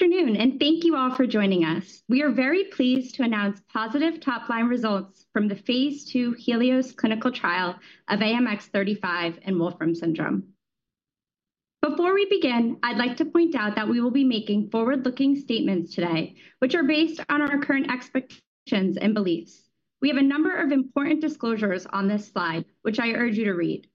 Good afternoon, and thank you all for joining us. We are very pleased to announce positive top-line results from the phase 2 Helios clinical trial of AMX35 in Wolfram Syndrome. Before we begin, I'd like to point out that we will be making forward-looking statements today, which are based on our current expectations and beliefs. We have a number of important disclosures on this slide, which I urge you to read.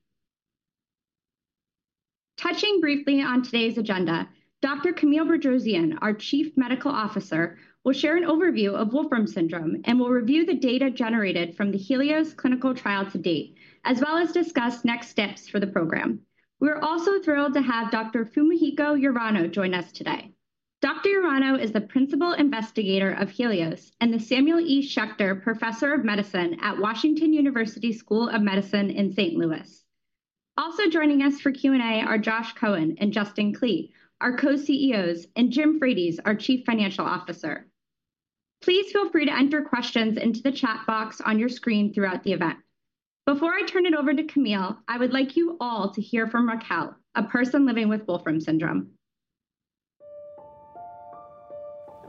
Touching briefly on today's agenda, Dr. Camille Bedrosian, our Chief Medical Officer, will share an overview of Wolfram Syndrome and will review the data generated from the Helios clinical trial to date, as well as discuss next steps for the program. We're also thrilled to have Dr. Fumihiko Urano join us today. Dr. Urano is the principal investigator of Helios and the Samuel E. Schechter Professor of Medicine at Washington University School of Medicine in St. Louis. Also joining us for Q&A are Josh Cohen and Justin Klee, our co-CEOs, and Jim Frates, our Chief Financial Officer. Please feel free to enter questions into the chat box on your screen throughout the event. Before I turn it over to Camille, I would like you all to hear from Raquel, a person living with Wolfram Syndrome.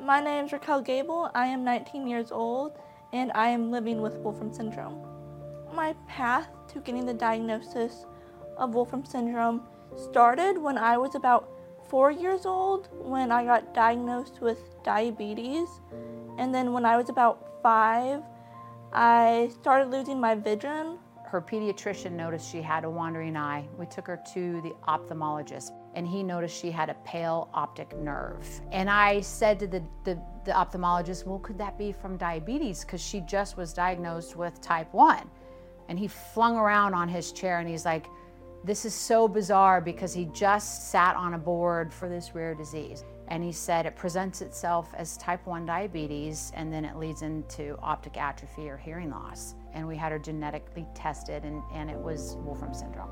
My name's Raquel Gabel. I am 19 years old, and I am living with Wolfram Syndrome. My path to getting the diagnosis of Wolfram Syndrome started when I was about four years old, when I got diagnosed with diabetes, and then when I was about five, I started losing my vision. Her pediatrician noticed she had a wandering eye. We took her to the ophthalmologist, and he noticed she had a pale optic nerve. And I said to the ophthalmologist, "Well, could that be from diabetes? 'Cause she just was diagnosed with Type One." And he flung around on his chair, and he's like, "This is so bizarre," because he just sat on a board for this rare disease. And he said it presents itself as Type One diabetes, and then it leads into optic atrophy or hearing loss. And we had her genetically tested, and it was Wolfram Syndrome.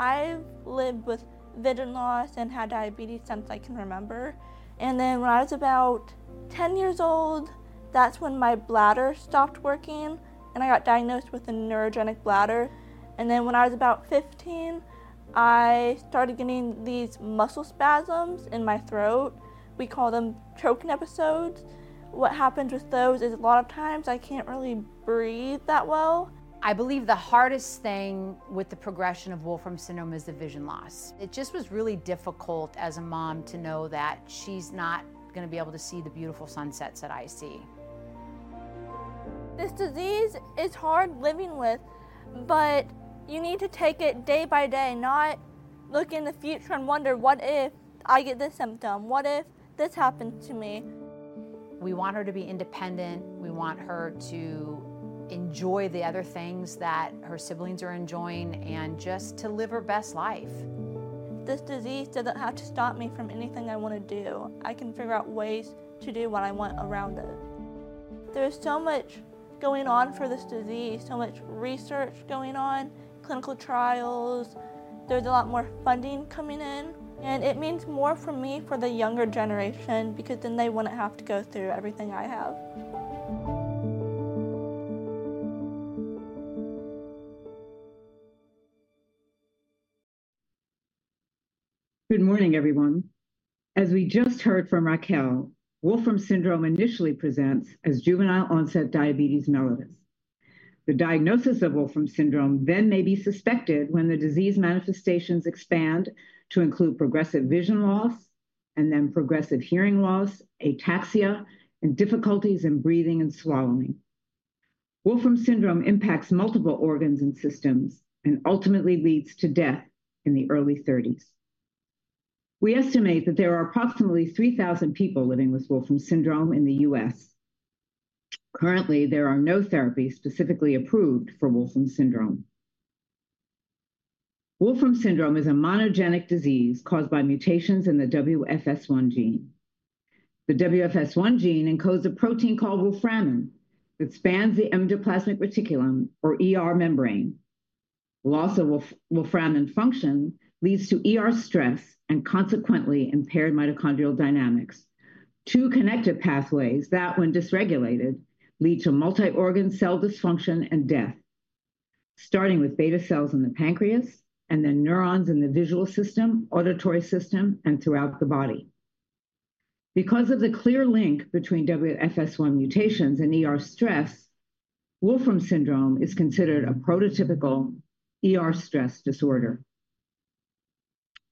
I've lived with vision loss and had diabetes since I can remember, and then when I was about 10 years old, that's when my bladder stopped working, and I got diagnosed with a neurogenic bladder, and then when I was about 15, I started getting these muscle spasms in my throat. We call them choking episodes. What happens with those is a lot of times I can't really breathe that well. I believe the hardest thing with the progression of Wolfram Syndrome is the vision loss. It just was really difficult as a mom to know that she's not gonna be able to see the beautiful sunsets that I see. This disease is hard living with, but you need to take it day by day, not look in the future and wonder: What if I get this symptom? What if this happens to me? We want her to be independent. We want her to enjoy the other things that her siblings are enjoying and just to live her best life. This disease doesn't have to stop me from anything I wanna do. I can figure out ways to do what I want around it. There's so much going on for this disease, so much research going on, clinical trials. There's a lot more funding coming in, and it means more for me for the younger generation because then they wouldn't have to go through everything I have. Good morning, everyone. As we just heard from Raquel, Wolfram Syndrome initially presents as juvenile-onset diabetes mellitus. The diagnosis of Wolfram Syndrome then may be suspected when the disease manifestations expand to include progressive vision loss and then progressive hearing loss, ataxia, and difficulties in breathing and swallowing. Wolfram Syndrome impacts multiple organs and systems and ultimately leads to death in the early thirties. We estimate that there are approximately three thousand people living with Wolfram Syndrome in the U.S. Currently, there are no therapies specifically approved for Wolfram Syndrome. Wolfram Syndrome is a monogenic disease caused by mutations in the WFS1 gene. The WFS1 gene encodes a protein called wolframin that spans the endoplasmic reticulum, or ER membrane. Loss of wolframin function leads to ER stress and consequently impaired mitochondrial dynamics, two connected pathways that, when dysregulated, lead to multi-organ cell dysfunction and death, starting with beta cells in the pancreas and then neurons in the visual system, auditory system, and throughout the body. Because of the clear link between WFS1 mutations and ER stress, Wolfram Syndrome is considered a prototypical ER stress disorder.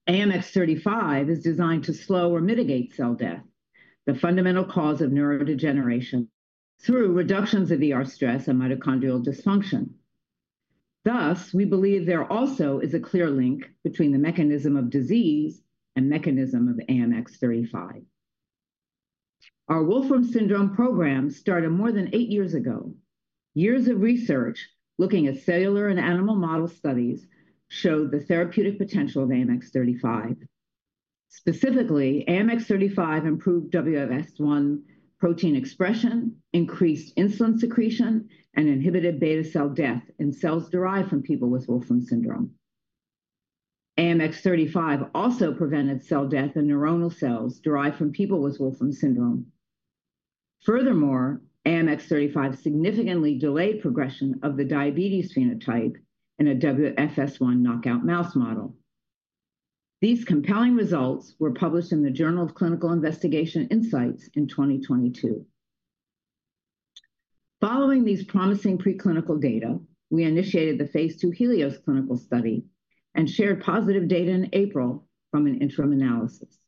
AMX35 is designed to slow or mitigate cell death, the fundamental cause of neurodegeneration, through reductions of ER stress and mitochondrial dysfunction. Thus, we believe there also is a clear link between the mechanism of disease and mechanism of AMX35. Our Wolfram Syndrome program started more than eight years ago. Years of research looking at cellular and animal model studies showed the therapeutic potential of AMX35. Specifically, AMX35 improved WFS1 protein expression, increased insulin secretion, and inhibited beta cell death in cells derived from people with Wolfram Syndrome. AMX35 also prevented cell death in neuronal cells derived from people with Wolfram Syndrome. Furthermore, AMX35 significantly delayed progression of the diabetes phenotype in a WFS1 knockout mouse model. These compelling results were published in the JCI Insight in 2022. Following these promising preclinical data, we initiated the phase 2 Helios clinical study and shared positive data in April from an interim analysis.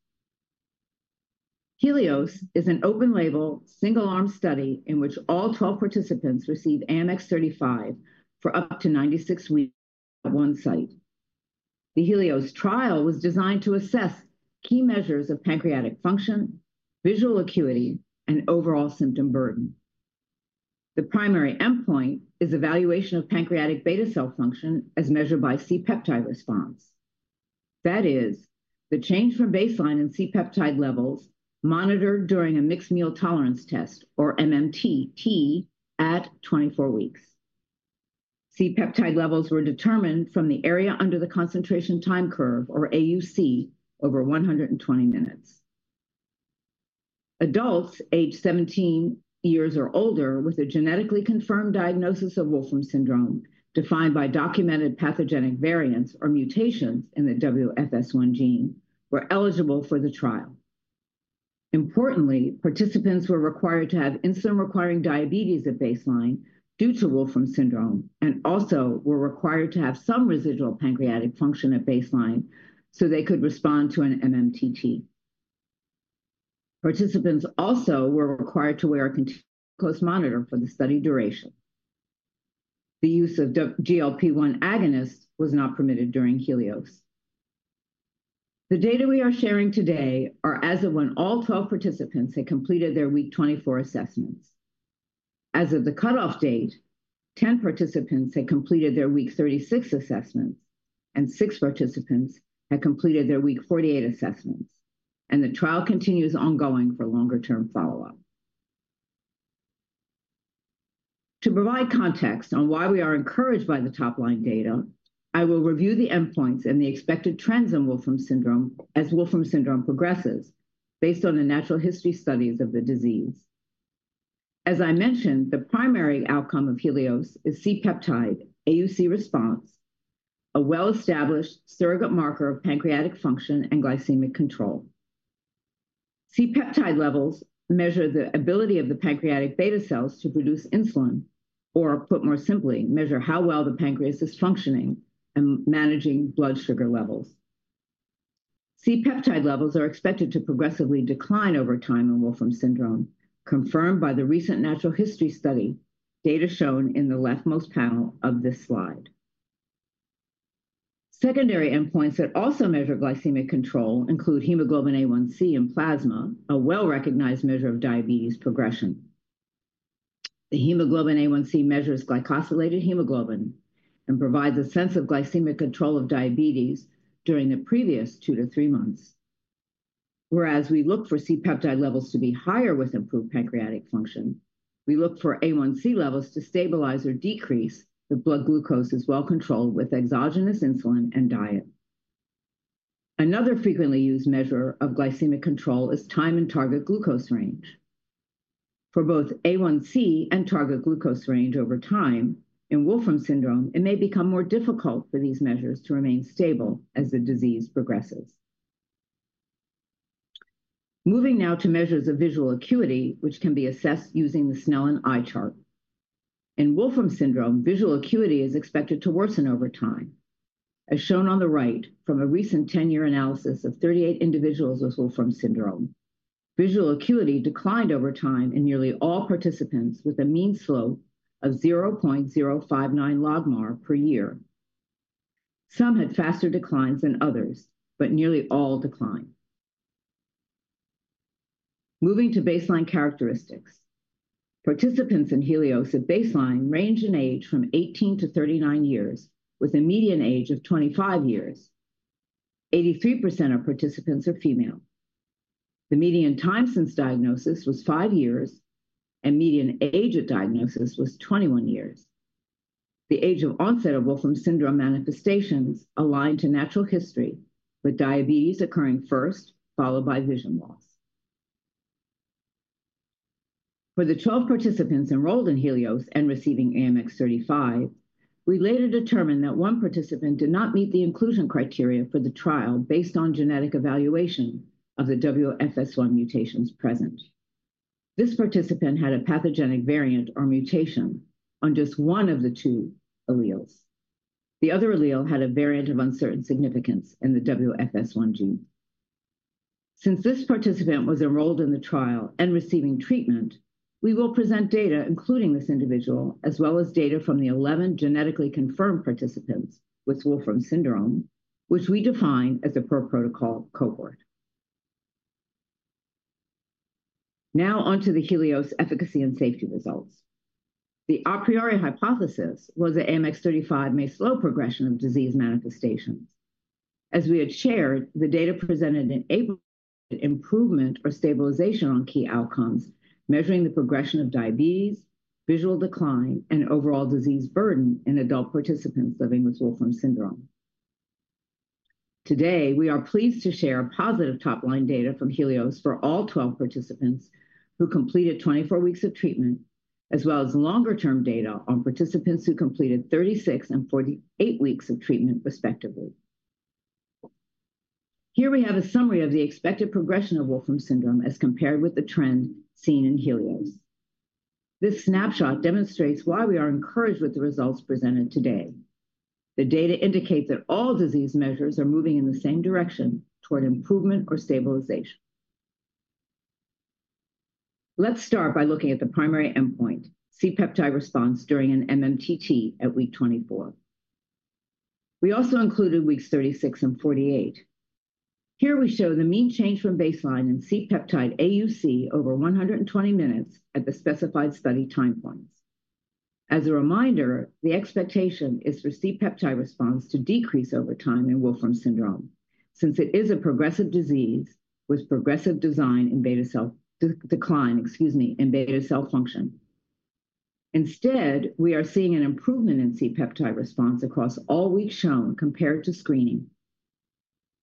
Helios is an open-label, single-arm study in which all 12 participants receive AMX35 for up to 96 weeks at one site. The Helios trial was designed to assess key measures of pancreatic function, visual acuity, and overall symptom burden. The primary endpoint is evaluation of pancreatic beta cell function as measured by C-peptide response. That is, the change from baseline in C-peptide levels monitored during a mixed meal tolerance test, or MMTT, at 24 weeks. C-peptide levels were determined from the area under the concentration time curve, or AUC, over 120 minutes. Adults aged 17 years or older with a genetically confirmed diagnosis of Wolfram Syndrome, defined by documented pathogenic variants or mutations in the WFS1 gene, were eligible for the trial. Importantly, participants were required to have insulin-requiring diabetes at baseline due to Wolfram Syndrome, and also were required to have some residual pancreatic function at baseline so they could respond to an MMTT. Participants also were required to wear a continuous glucose monitor for the study duration. The use of GLP-1 agonist was not permitted during Helios. The data we are sharing today are as of when all 12 participants had completed their week 24 assessments. As of the cutoff date, ten participants had completed their week thirty-six assessments, and six participants had completed their week forty-eight assessments, and the trial continues ongoing for longer-term follow-up. To provide context on why we are encouraged by the top-line data, I will review the endpoints and the expected trends in Wolfram Syndrome as Wolfram Syndrome progresses based on the natural history studies of the disease. As I mentioned, the primary outcome of Helios is C-peptide AUC response, a well-established surrogate marker of pancreatic function and glycemic control. C-peptide levels measure the ability of the pancreatic beta cells to produce insulin, or put more simply, measure how well the pancreas is functioning in managing blood sugar levels. C-peptide levels are expected to progressively decline over time in Wolfram Syndrome, confirmed by the recent natural history study, data shown in the leftmost panel of this slide. Secondary endpoints that also measure glycemic control include hemoglobin A1C in plasma, a well-recognized measure of diabetes progression. The hemoglobin A1C measures glycosylated hemoglobin and provides a sense of glycemic control of diabetes during the previous two to three months. Whereas we look for C-peptide levels to be higher with improved pancreatic function, we look for A1C levels to stabilize or decrease if blood glucose is well controlled with exogenous insulin and diet. Another frequently used measure of glycemic control is time in target glucose range. For both A1C and target glucose range over time, in Wolfram Syndrome, it may become more difficult for these measures to remain stable as the disease progresses. Moving now to measures of visual acuity, which can be assessed using the Snellen eye chart. In Wolfram Syndrome, visual acuity is expected to worsen over time. As shown on the right, from a recent 10-year analysis of 38 individuals with Wolfram Syndrome, visual acuity declined over time in nearly all participants, with a mean slope of 0.059 LogMAR per year. Some had faster declines than others, but nearly all declined. Moving to baseline characteristics. Participants in Helios at baseline range in age from 18 to 39 years, with a median age of 25 years. 83% of participants are female. The median time since diagnosis was 5 years, and median age at diagnosis was 21 years. The age of onset of Wolfram Syndrome manifestations aligned to natural history, with diabetes occurring first, followed by vision loss. For the 12 participants enrolled in Helios and receiving AMX35, we later determined that one participant did not meet the inclusion criteria for the trial based on genetic evaluation of the WFS1 mutations present. This participant had a pathogenic variant or mutation on just one of the two alleles. The other allele had a variant of uncertain significance in the WFS1 gene. Since this participant was enrolled in the trial and receiving treatment, we will present data, including this individual, as well as data from the 11 genetically confirmed participants with Wolfram Syndrome, which we define as a per-protocol cohort. Now onto the Helios efficacy and safety results. The a priori hypothesis was that AMX35 may slow progression of disease manifestations. As we had shared, the data presented in April improvement or stabilization on key outcomes, measuring the progression of diabetes, visual decline, and overall disease burden in adult participants living with Wolfram Syndrome.... Today, we are pleased to share positive top-line data from Helios for all twelve participants who completed twenty-four weeks of treatment, as well as longer-term data on participants who completed thirty-six and forty-eight weeks of treatment, respectively. Here we have a summary of the expected progression of Wolfram Syndrome as compared with the trend seen in Helios. This snapshot demonstrates why we are encouraged with the results presented today. The data indicate that all disease measures are moving in the same direction toward improvement or stabilization. Let's start by looking at the primary endpoint, C-peptide response during an MMTT at week twenty-four. We also included weeks thirty-six and forty-eight. Here we show the mean change from baseline in C-peptide AUC over one hundred and twenty minutes at the specified study time points. As a reminder, the expectation is for C-peptide response to decrease over time in Wolfram Syndrome, since it is a progressive disease with progressive decline in beta cell function. Instead, we are seeing an improvement in C-peptide response across all weeks shown compared to screening.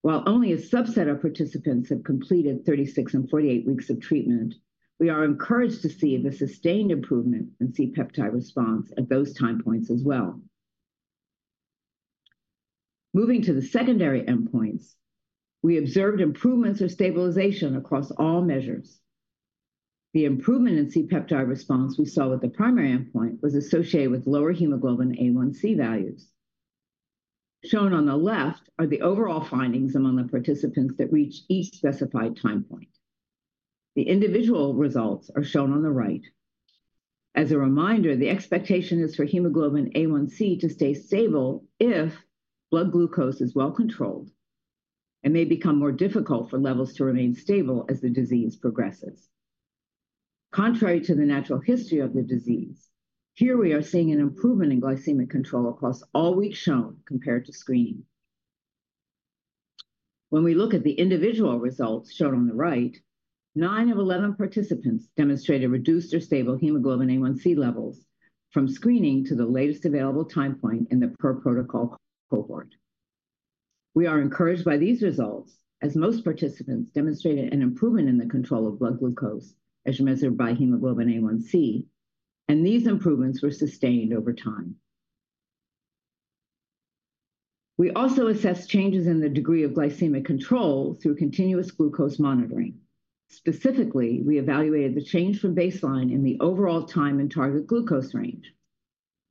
While only a subset of participants have completed 36 and 48 weeks of treatment, we are encouraged to see the sustained improvement in C-peptide response at those time points as well. Moving to the secondary endpoints, we observed improvements or stabilization across all measures. The improvement in C-peptide response we saw with the primary endpoint was associated with lower hemoglobin A1C values. Shown on the left are the overall findings among the participants that reached each specified time point. The individual results are shown on the right. As a reminder, the expectation is for hemoglobin A1C to stay stable if blood glucose is well controlled. It may become more difficult for levels to remain stable as the disease progresses. Contrary to the natural history of the disease, here we are seeing an improvement in glycemic control across all weeks shown compared to screening. When we look at the individual results shown on the right, nine of 11 participants demonstrated reduced or stable hemoglobin A1C levels from screening to the latest available time point in the per-protocol cohort. We are encouraged by these results, as most participants demonstrated an improvement in the control of blood glucose, as measured by hemoglobin A1C, and these improvements were sustained over time. We also assessed changes in the degree of glycemic control through continuous glucose monitoring. Specifically, we evaluated the change from baseline in the overall time in target glucose range.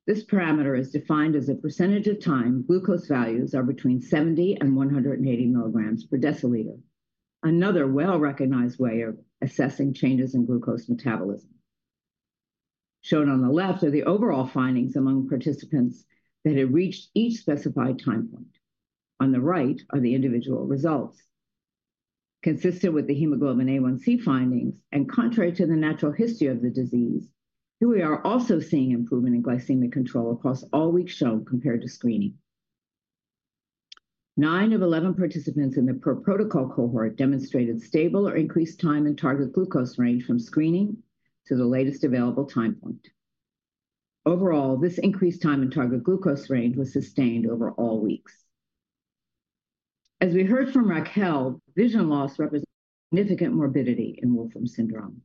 This parameter is defined as a percentage of time glucose values are between 70 and 180 milligrams per deciliter, another well-recognized way of assessing changes in glucose metabolism. Shown on the left are the overall findings among participants that had reached each specified time point. On the right are the individual results. Consistent with the hemoglobin A1C findings and contrary to the natural history of the disease, here we are also seeing improvement in glycemic control across all weeks shown compared to screening. 9 of 11 participants in the per-protocol cohort demonstrated stable or increased time in target glucose range from screening to the latest available time point. Overall, this increased time in target glucose range was sustained over all weeks. As we heard from Raquel, vision loss represents significant morbidity in Wolfram Syndrome.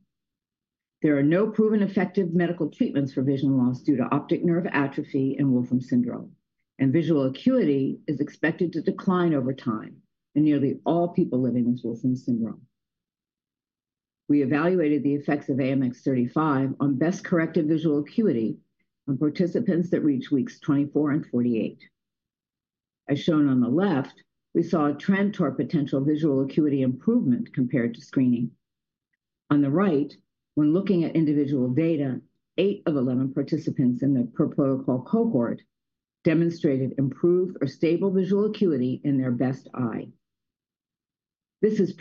There are no proven effective medical treatments for vision loss due to optic nerve atrophy in Wolfram Syndrome, and visual acuity is expected to decline over time in nearly all people living with Wolfram Syndrome. We evaluated the effects of AMX35 on best-corrected visual acuity on participants that reached weeks twenty-four and forty-eight. As shown on the left, we saw a trend toward potential visual acuity improvement compared to screening. On the right, when looking at individual data, eight of eleven participants in the per-protocol cohort demonstrated improved or stable visual acuity in their best eye. This is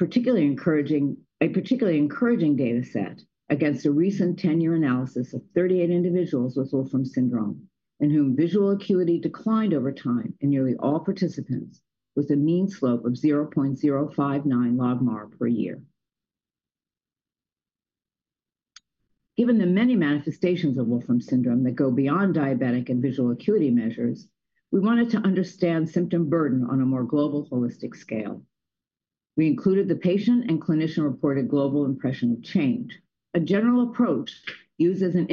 a particularly encouraging data set against a recent ten-year analysis of thirty-eight individuals with Wolfram Syndrome, in whom visual acuity declined over time in nearly all participants, with a mean slope of 0.059 LogMAR per year. Given the many manifestations of Wolfram Syndrome that go beyond diabetic and visual acuity measures, we wanted to understand symptom burden on a more global, holistic scale. We included the patient and clinician-reported global impression of change. A general approach uses an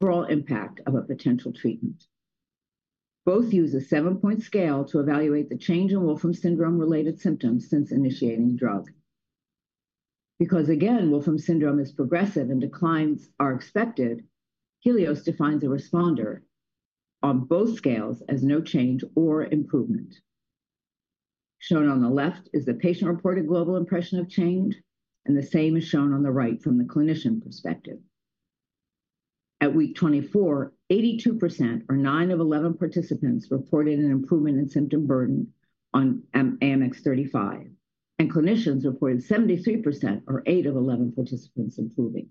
overall impact of a potential treatment. Both use a seven-point scale to evaluate the change in Wolfram Syndrome-related symptoms since initiating drug. Because, again, Wolfram Syndrome is progressive and declines are expected, Helios defines a responder on both scales as no change or improvement. Shown on the left is the patient-reported global impression of change, and the same is shown on the right from the clinician perspective. At week 24, 82%, or 9 of 11 participants, reported an improvement in symptom burden on AMX0035, and clinicians reported 73%, or 8 of 11 participants, improving.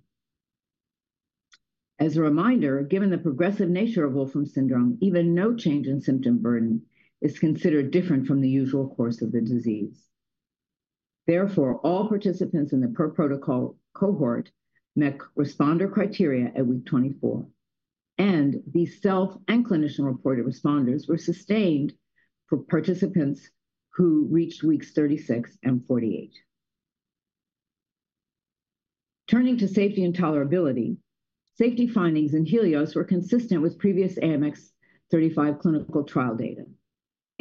As a reminder, given the progressive nature of Wolfram Syndrome, even no change in symptom burden is considered different from the usual course of the disease. Therefore, all participants in the per-protocol cohort met responder criteria at week twenty-four, and the self and clinician-reported responders were sustained for participants who reached weeks thirty-six and forty-eight. Turning to safety and tolerability, safety findings in Helios were consistent with previous AMX35 clinical trial data.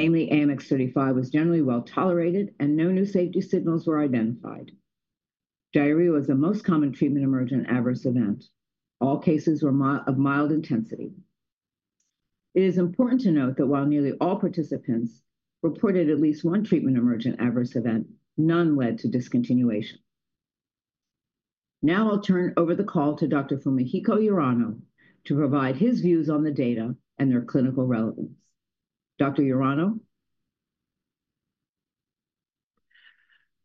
Namely, AMX35 was generally well-tolerated, and no new safety signals were identified. Diarrhea was the most common treatment-emergent adverse event. All cases were of mild intensity. It is important to note that while nearly all participants reported at least one treatment-emergent adverse event, none led to discontinuation. Now I'll turn over the call to Dr. Fumihiko Urano to provide his views on the data and their clinical relevance. Dr. Urano?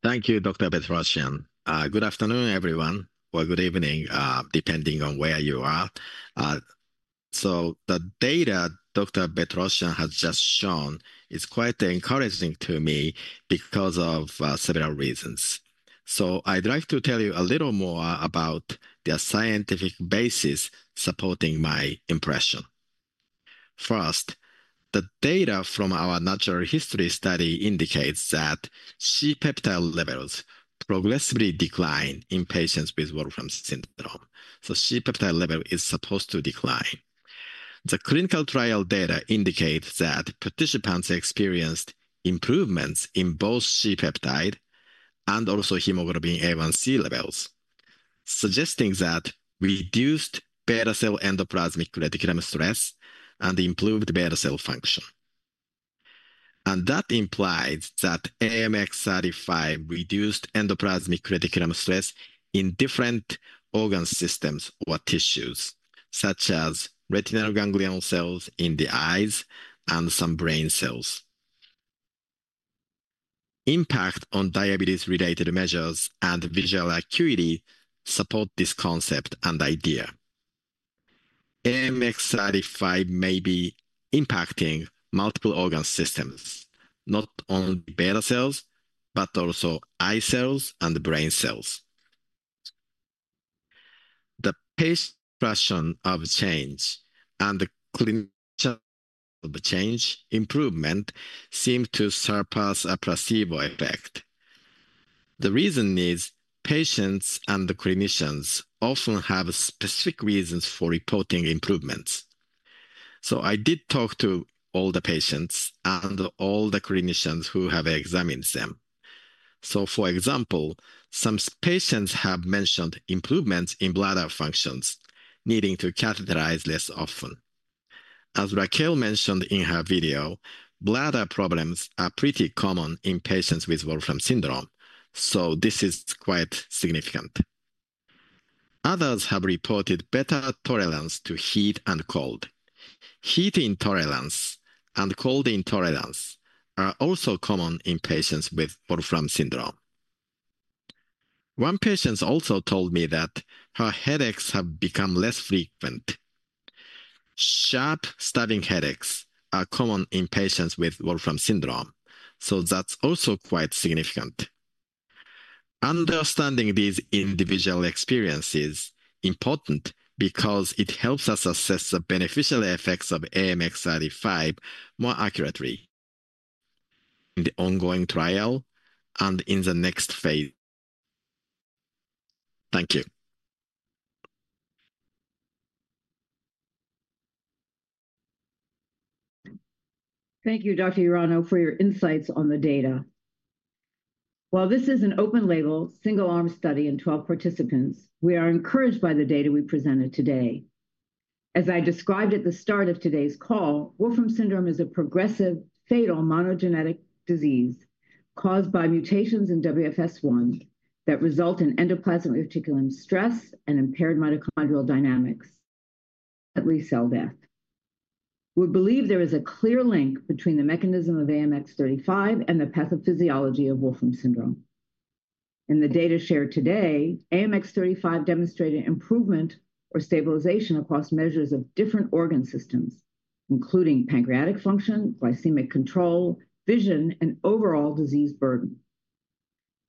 Thank you, Dr. Bedrosian. Good afternoon, everyone, or good evening, depending on where you are. So the data Dr. Bedrosian has just shown is quite encouraging to me because of several reasons. So I'd like to tell you a little more about the scientific basis supporting my impression. First, the data from our natural history study indicates that C-peptide levels progressively decline in patients with Wolfram Syndrome, so C-peptide level is supposed to decline. The clinical trial data indicates that participants experienced improvements in both C-peptide and also hemoglobin A1C levels, suggesting that reduced beta cell endoplasmic reticulum stress and improved beta cell function. And that implies that AMX35 reduced endoplasmic reticulum stress in different organ systems or tissues, such as retinal ganglion cells in the eyes and some brain cells. Impact on diabetes-related measures and visual acuity support this concept and idea. AMX35 may be impacting multiple organ systems, not only beta cells, but also eye cells and the brain cells. The pace, direction of change, and the clinical of change, improvement seem to surpass a placebo effect. The reason is patients and the clinicians often have specific reasons for reporting improvements. So I did talk to all the patients and all the clinicians who have examined them. So, for example, some patients have mentioned improvements in bladder functions, needing to catheterize less often. As Raquel mentioned in her video, bladder problems are pretty common in patients with Wolfram Syndrome, so this is quite significant. Others have reported better tolerance to heat and cold. Heat intolerance and cold intolerance are also common in patients with Wolfram Syndrome. One patient also told me that her headaches have become less frequent. Sharp, stabbing headaches are common in patients with Wolfram Syndrome, so that's also quite significant. Understanding these individual experiences important because it helps us assess the beneficial effects of AMX35 more accurately in the ongoing trial and in the next phase. Thank you. Thank you, Dr. Urano, for your insights on the data. While this is an open-label, single-arm study in 12 participants, we are encouraged by the data we presented today. As I described at the start of today's call, Wolfram Syndrome is a progressive, fatal monogenic disease caused by mutations in WFS1 that result in endoplasmic reticulum stress and impaired mitochondrial dynamics, leading to cell death. We believe there is a clear link between the mechanism of AMX35 and the pathophysiology of Wolfram Syndrome. In the data shared today, AMX35 demonstrated improvement or stabilization across measures of different organ systems, including pancreatic function, glycemic control, vision, and overall disease burden.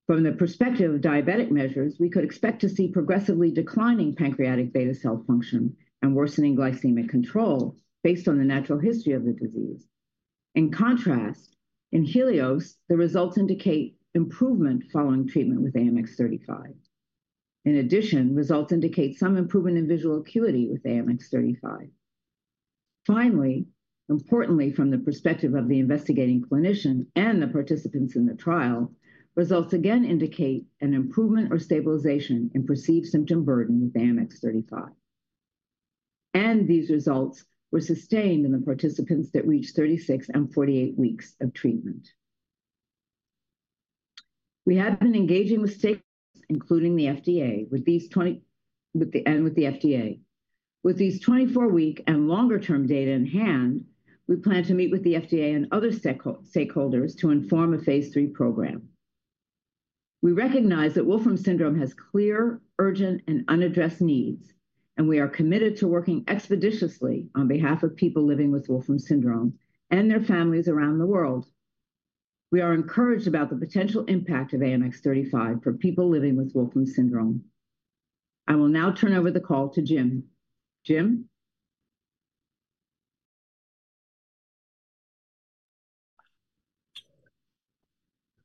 From the perspective of diabetic measures, we could expect to see progressively declining pancreatic beta cell function and worsening glycemic control based on the natural history of the disease. In contrast, in Helios, the results indicate improvement following treatment with AMX35. In addition, results indicate some improvement in visual acuity with AMX35. Finally, importantly, from the perspective of the investigating clinician and the participants in the trial, results again indicate an improvement or stabilization in perceived symptom burden with AMX35. These results were sustained in the participants that reached 36 and 48 weeks of treatment. We have been engaging with stakeholders, including the FDA, with these 24-week and longer-term data in hand. We plan to meet with the FDA and other stakeholders to inform a phase III program. We recognize that Wolfram Syndrome has clear, urgent, and unaddressed needs... and we are committed to working expeditiously on behalf of people living with Wolfram Syndrome and their families around the world. We are encouraged about the potential impact of AMX35 for people living with Wolfram Syndrome. I will now turn over the call to Jim. Jim?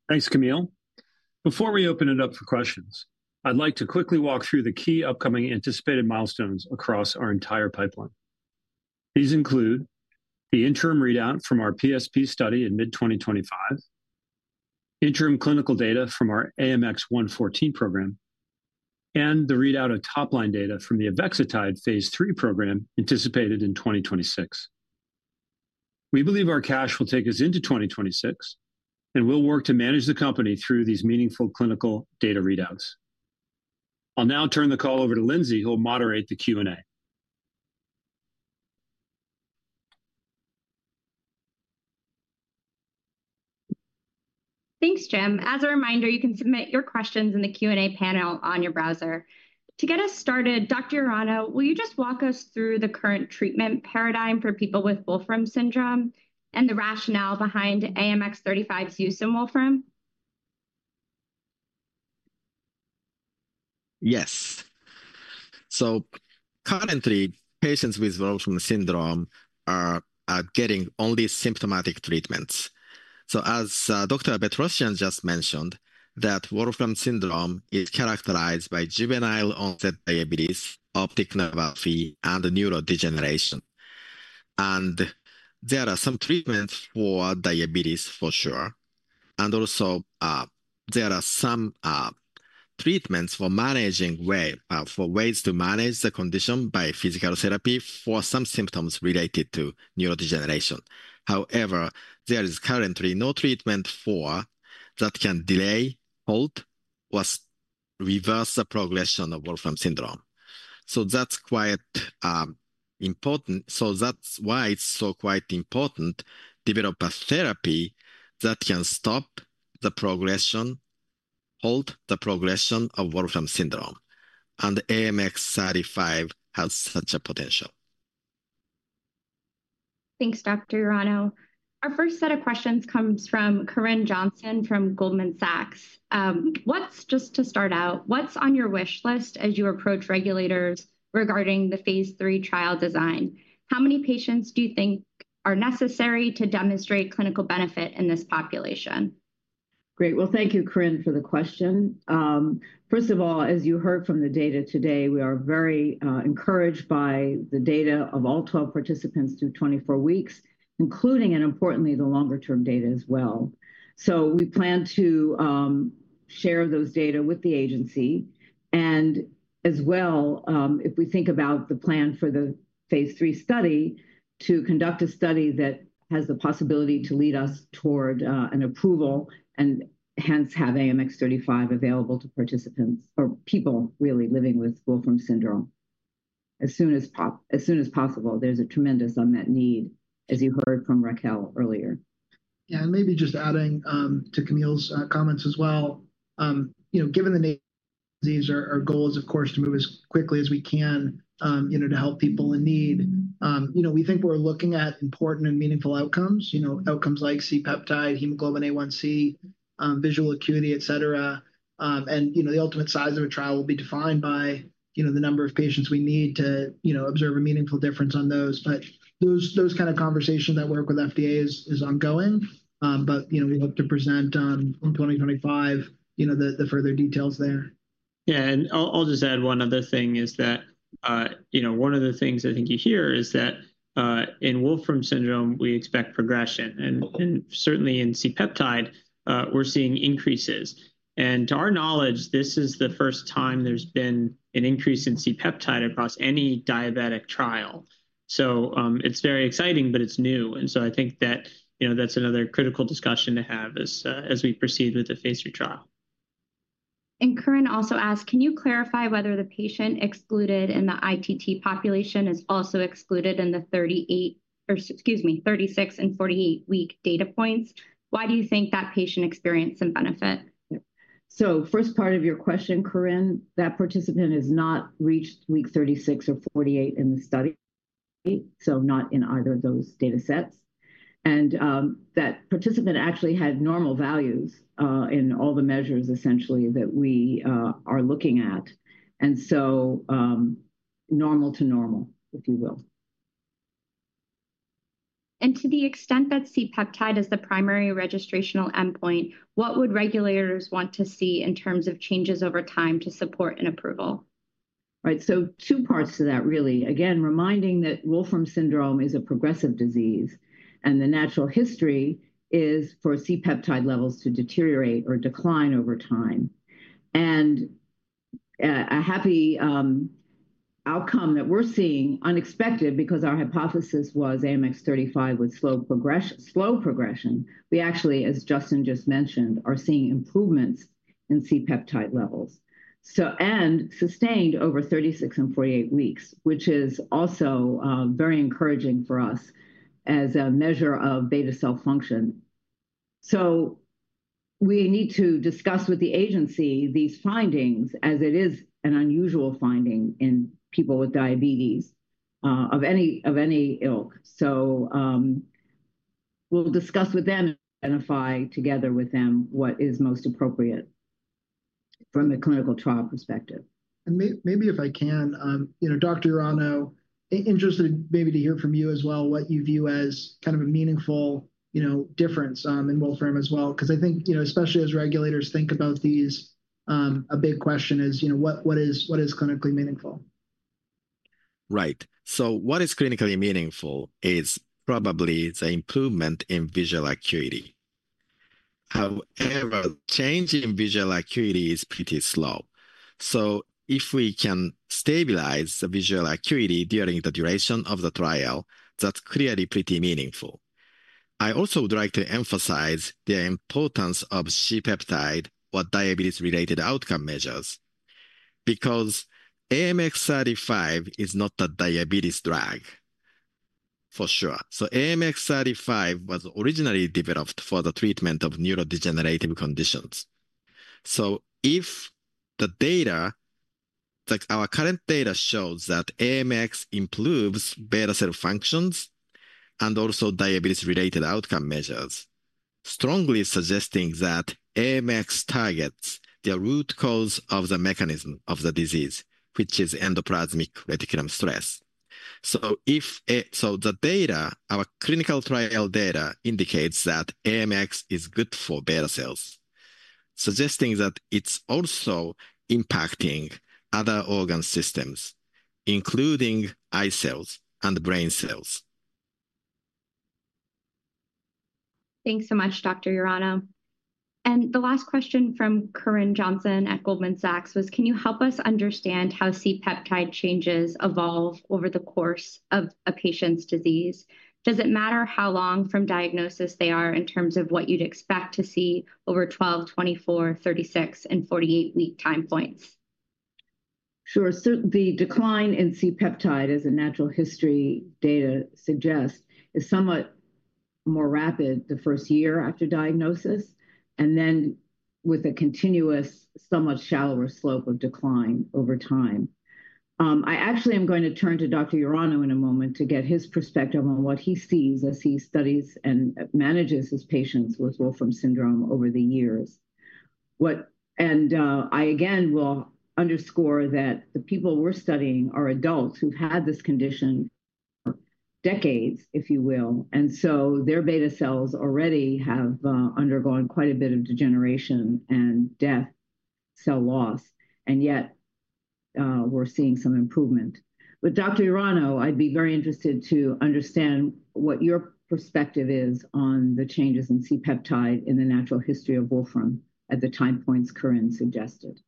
Thanks, Camille. Before we open it up for questions, I'd like to quickly walk through the key upcoming anticipated milestones across our entire pipeline. These include the interim readout from our PSP study in mid-2025, interim clinical data from our AMX114 program, and the readout of top-line data from the Avexitide phase 3 program, anticipated in 2026. We believe our cash will take us into 2026, and we'll work to manage the company through these meaningful clinical data readouts. I'll now turn the call over to Lindsay, who will moderate the Q&A. Thanks, Jim. As a reminder, you can submit your questions in the Q&A panel on your browser. To get us started, Dr. Urano, will you just walk us through the current treatment paradigm for people with Wolfram Syndrome and the rationale behind AMX35's use in Wolfram? Yes. So currently, patients with Wolfram Syndrome are getting only symptomatic treatments. So as Dr. Behrosian just mentioned, Wolfram Syndrome is characterized by juvenile-onset diabetes, optic neuropathy, and neurodegeneration. And there are some treatments for diabetes, for sure, and also, there are some treatments for managing ways to manage the condition by physical therapy for some symptoms related to neurodegeneration. However, there is currently no treatment that can delay, halt, or reverse the progression of Wolfram Syndrome. So that's quite important. So that's why it's so quite important develop a therapy that can stop the progression, halt the progression of Wolfram Syndrome, and AMX35 has such a potential. Thanks, Dr. Urano. Our first set of questions comes from Corinne Jenkins from Goldman Sachs. Just to start out, what's on your wish list as you approach regulators regarding the phase 3 trial design? How many patients do you think are necessary to demonstrate clinical benefit in this population? Great. Well, thank you, Corinne, for the question. First of all, as you heard from the data today, we are very encouraged by the data of all 12 participants through 24 weeks, including, and importantly, the longer-term data as well. So we plan to share those data with the agency. And as well, if we think about the plan for the phase 3 study, to conduct a study that has the possibility to lead us toward an approval, and hence, have AMX35 available to participants or people really living with Wolfram Syndrome as soon as possible. There's a tremendous unmet need, as you heard from Raquel earlier. Yeah, and maybe just adding to Camille's comments as well. You know, given the nature of the disease, our goal is, of course, to move as quickly as we can, you know, to help people in need. You know, we think we're looking at important and meaningful outcomes, you know, outcomes like C-peptide, hemoglobin A1C, visual acuity, et cetera. And, you know, the ultimate size of a trial will be defined by, you know, the number of patients we need to, you know, observe a meaningful difference on those. But those kind of conversations that work with FDA is ongoing. But, you know, we hope to present in twenty twenty-five, you know, the further details there. Yeah, and I'll just add one other thing is that, you know, one of the things I think you hear is that, in Wolfram Syndrome, we expect progression, and certainly in C-peptide, we're seeing increases. And to our knowledge, this is the first time there's been an increase in C-peptide across any diabetic trial. So, it's very exciting, but it's new. And so I think that, you know, that's another critical discussion to have as we proceed with the phase 3 trial. Corinne also asked: Can you clarify whether the patient excluded in the ITT population is also excluded in the 38, or excuse me, 36 and 48-week data points? Why do you think that patient experienced some benefit? So first part of your question, Corinne, that participant has not reached week thirty-six or forty-eight in the study, so not in either of those datasets. And that participant actually had normal values in all the measures, essentially, that we are looking at. And so normal to normal, if you will. And to the extent that C-peptide is the primary registrational endpoint, what would regulators want to see in terms of changes over time to support an approval? Right, so two parts to that, really. Again, reminding that Wolfram Syndrome is a progressive disease, and the natural history is for C-peptide levels to deteriorate or decline over time. And a happy outcome that we're seeing, unexpected, because our hypothesis was AMX35 would slow progression, we actually, as Justin just mentioned, are seeing improvements in C-peptide levels. So, and sustained over 36 and 48 weeks, which is also very encouraging for us as a measure of beta cell function. So. We need to discuss with the agency these findings, as it is an unusual finding in people with diabetes, of any ilk. So, we'll discuss with them, identify together with them what is most appropriate from a clinical trial perspective. Maybe if I can, you know, Dr. Urano, interested maybe to hear from you as well, what you view as kind of a meaningful, you know, difference in Wolfram as well. 'Cause I think, you know, especially as regulators think about these, a big question is, you know, what is clinically meaningful? Right. So what is clinically meaningful is probably the improvement in visual acuity. However, change in visual acuity is pretty slow. So if we can stabilize the visual acuity during the duration of the trial, that's clearly pretty meaningful. I also would like to emphasize the importance of C-peptide or diabetes-related outcome measures, because AMX35 is not a diabetes drug, for sure. So AMX35 was originally developed for the treatment of neurodegenerative conditions. So if the data, like our current data shows that AMX improves beta cell functions and also diabetes-related outcome measures, strongly suggesting that AMX targets the root cause of the mechanism of the disease, which is endoplasmic reticulum stress. So the data, our clinical trial data indicates that AMX is good for beta cells, suggesting that it's also impacting other organ systems, including eye cells and brain cells. Thanks so much, Dr. Urano. And the last question from Corinne Johnson at Goldman Sachs was: Can you help us understand how C-peptide changes evolve over the course of a patient's disease? Does it matter how long from diagnosis they are in terms of what you'd expect to see over twelve, twenty-four, thirty-six, and forty-eight-week time points? Sure. So the decline in C-peptide, as the natural history data suggests, is somewhat more rapid the first year after diagnosis, and then with a continuous, somewhat shallower slope of decline over time. I actually am going to turn to Dr. Urano in a moment to get his perspective on what he sees as he studies and manages his patients with Wolfram Syndrome over the years. I again will underscore that the people we're studying are adults who've had this condition for decades, if you will, and so their beta cells already have undergone quite a bit of degeneration and death, cell loss, and yet, we're seeing some improvement, but Dr. Urano, I'd be very interested to understand what your perspective is on the changes in C-peptide in the natural history of Wolfram at the time points Corinne suggested.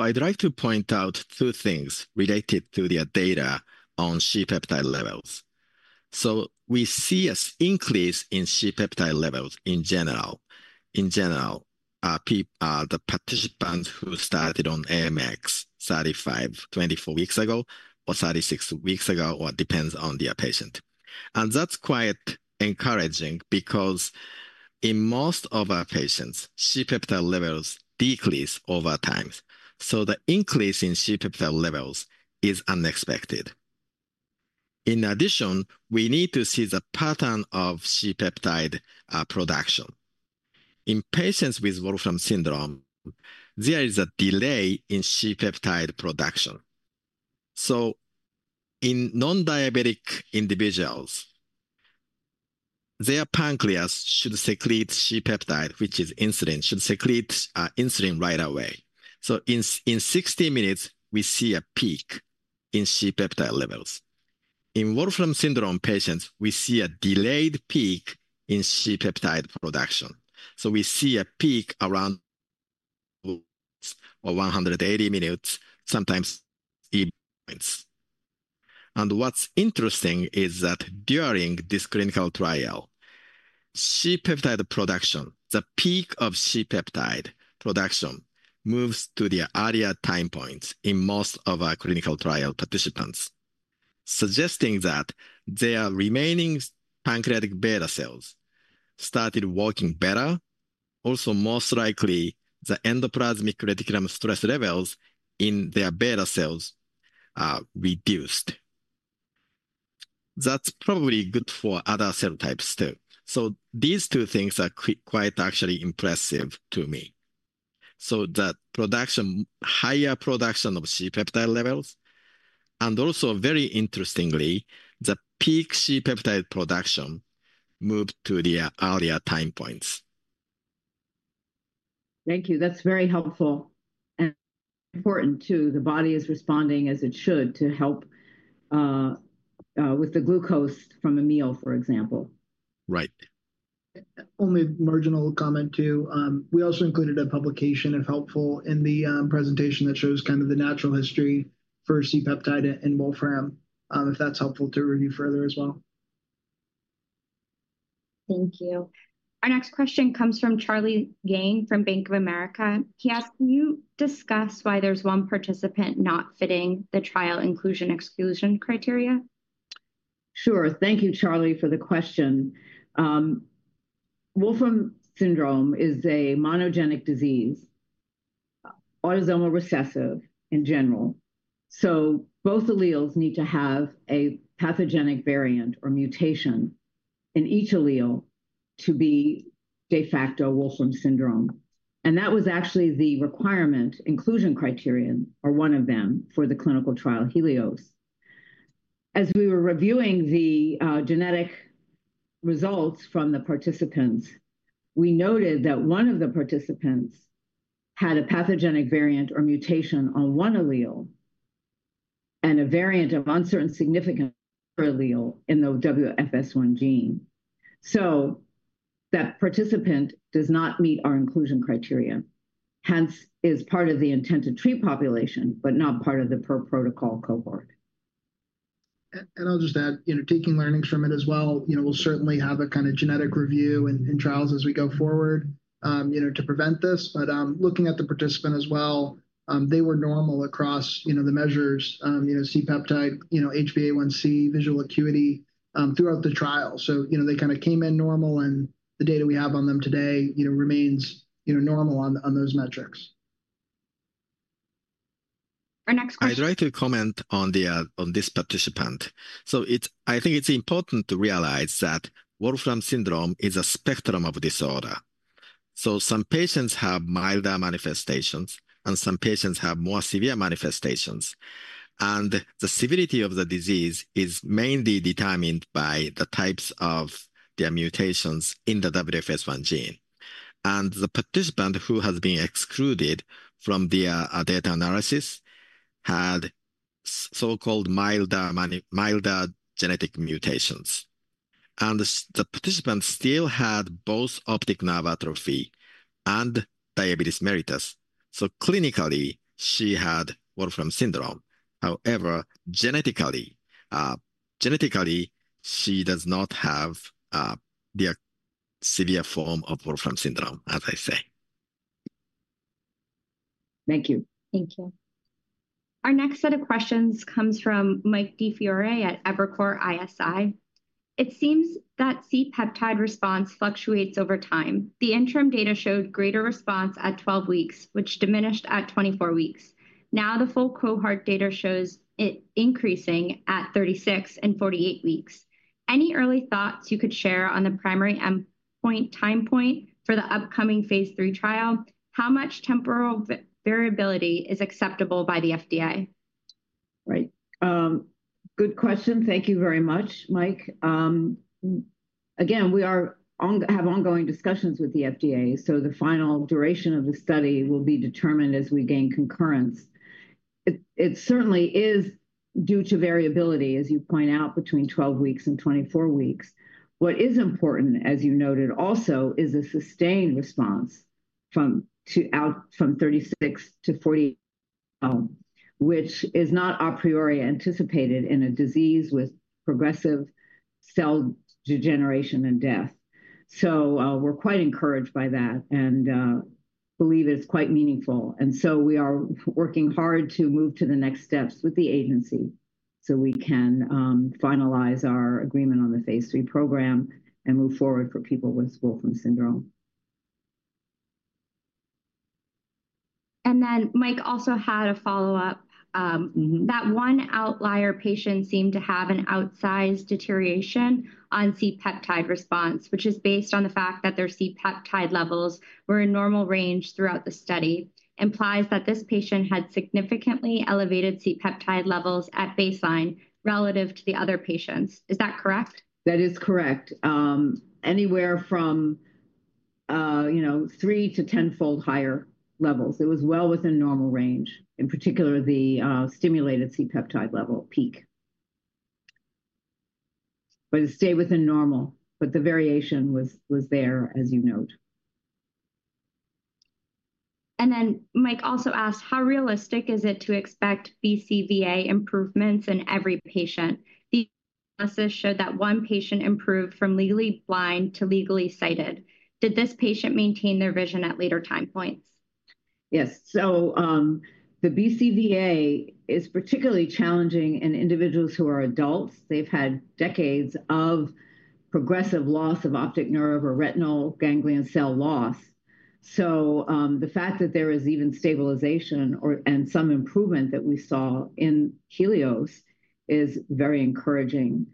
I'd like to point out two things related to the data on C-peptide levels. We see an increase in C-peptide levels in general. In general, the participants who started on AMX0035 twenty-four weeks ago or thirty-six weeks ago, or it depends on their patient. That's quite encouraging because in most of our patients, C-peptide levels decrease over time, so the increase in C-peptide levels is unexpected. In addition, we need to see the pattern of C-peptide production. In patients with Wolfram Syndrome, there is a delay in C-peptide production. In non-diabetic individuals, their pancreas should secrete C-peptide, which is insulin, should secrete insulin right away. In sixty minutes, we see a peak in C-peptide levels. In Wolfram Syndrome patients, we see a delayed peak in C-peptide production. So we see a peak around 180 minutes, sometimes even points. And what's interesting is that during this clinical trial, C-peptide production, the peak of C-peptide production, moves to the earlier time points in most of our clinical trial participants, suggesting that their remaining pancreatic beta cells started working better. Also, most likely, the endoplasmic reticulum stress levels in their beta cells are reduced. That's probably good for other cell types too. So these two things are quite actually impressive to me. So the production, higher production of C-peptide levels, and also very interestingly, the peak C-peptide production moved to the earlier time points. Thank you. That's very helpful and important too. The body is responding as it should to help with the glucose from a meal, for example. Right. Only marginal comment, too. We also included a publication, if helpful, in the presentation that shows kind of the natural history for C-peptide in Wolfram, if that's helpful to review further as well. Thank you. Our next question comes from Charlie Yang from Bank of America. He asked: Can you discuss why there's one participant not fitting the trial inclusion/exclusion criteria?... Sure. Thank you, Charlie, for the question. Wolfram Syndrome is a monogenic disease, autosomal recessive in general. So both alleles need to have a pathogenic variant or mutation in each allele to be de facto Wolfram Syndrome. And that was actually the requirement, inclusion criterion, or one of them, for the clinical trial, Helios. As we were reviewing the genetic results from the participants, we noted that one of the participants had a pathogenic variant or mutation on one allele, and a variant of uncertain significance per allele in the WFS1 gene. So that participant does not meet our inclusion criteria, hence is part of the intent-to-treat population, but not part of the per-protocol cohort. I'll just add, you know, taking learnings from it as well, you know, we'll certainly have a kind of genetic review in trials as we go forward, you know, to prevent this. But looking at the participant as well, they were normal across, you know, the measures, you know, C-peptide, you know, HbA1c, visual acuity, throughout the trial. So you know, they kind of came in normal, and the data we have on them today, you know, remains, you know, normal on those metrics. Our next question- I'd like to comment on this participant. So it's important to realize that Wolfram Syndrome is a spectrum of disorder. Some patients have milder manifestations, and some patients have more severe manifestations. The severity of the disease is mainly determined by the types of their mutations in the WFS1 gene. The participant who has been excluded from the data analysis had so-called milder genetic mutations. The participant still had both optic nerve atrophy and diabetes mellitus. Clinically, she had Wolfram Syndrome. However, genetically, she does not have the severe form of Wolfram Syndrome, as I say. Thank you. Thank you. Our next set of questions comes from Michael DiFiore at Evercore ISI. It seems that C-peptide response fluctuates over time. The interim data showed greater response at 12 weeks, which diminished at 24 weeks. Now, the full cohort data shows it increasing at 36 and 48 weeks. Any early thoughts you could share on the primary endpoint time point for the upcoming phase 3 trial? How much temporal variability is acceptable by the FDA? Right. Good question. Thank you very much, Mike. Again, we have ongoing discussions with the FDA, so the final duration of the study will be determined as we gain concurrence. It certainly is due to variability, as you point out, between 12 and 24 weeks. What is important, as you noted also, is a sustained response from 36 to 48, which is not a priori anticipated in a disease with progressive cell degeneration and death. So, we're quite encouraged by that and believe it's quite meaningful. And so we are working hard to move to the next steps with the agency, so we can finalize our agreement on the phase 3 program and move forward for people with Wolfram Syndrome. And then Mike also had a follow-up. Mm-hmm. That one outlier patient seemed to have an outsized deterioration on C-peptide response, which is based on the fact that their C-peptide levels were in normal range throughout the study, implies that this patient had significantly elevated C-peptide levels at baseline relative to the other patients. Is that correct? That is correct. Anywhere from, you know, three- to tenfold higher levels. It was well within normal range, in particular, the stimulated C-peptide level peak. But it stayed within normal, but the variation was there, as you note. And then Mike also asked: "How realistic is it to expect BCVA improvements in every patient? The analysis showed that one patient improved from legally blind to legally sighted. Did this patient maintain their vision at later time points? Yes. So, the BCVA is particularly challenging in individuals who are adults. They've had decades of progressive loss of optic nerve or retinal ganglion cell loss. So, the fact that there is even stabilization or, and some improvement that we saw in Helios is very encouraging.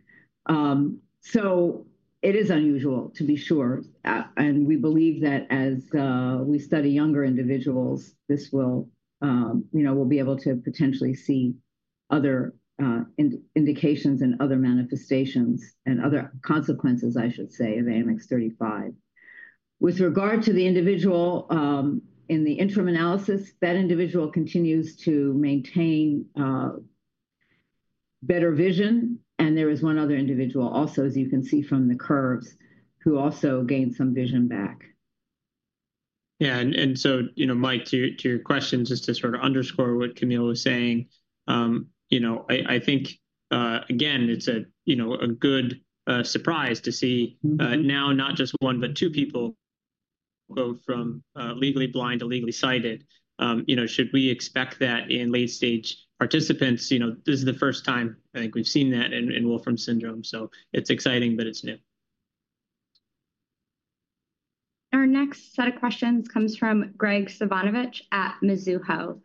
So it is unusual, to be sure. And we believe that as, we study younger individuals, this will, you know, we'll be able to potentially see other, indications and other manifestations and other consequences, I should say, of AMX35. With regard to the individual, in the interim analysis, that individual continues to maintain, better vision, and there is one other individual also, as you can see from the curves, who also gained some vision back. Yeah, and so, you know, Mike, to your question, just to sort of underscore what Camille was saying, you know, I think, again, it's a good surprise to see- Mm-hmm... now not just one, but two people go from legally blind to legally sighted. You know, should we expect that in late-stage participants? You know, this is the first time I think we've seen that in Wolfram Syndrome, so it's exciting, but it's new. Our next set of questions comes from Graig Suvannavejh at Mizuho: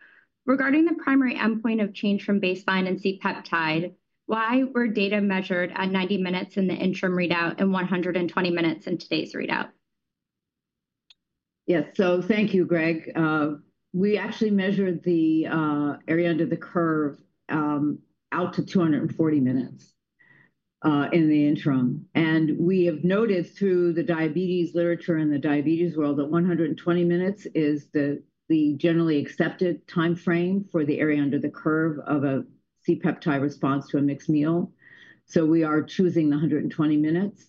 Regarding the primary endpoint of change from baseline in C-peptide, why were data measured at 90 minutes in the interim readout and 120 minutes in today's readout? Yes. So thank you, Graig. We actually measured the area under the curve out to 240 minutes in the interim, and we have noticed through the diabetes literature and the diabetes world that 120 minutes is the generally accepted timeframe for the area under the curve of a C-peptide response to a mixed meal, so we are choosing the 120 minutes.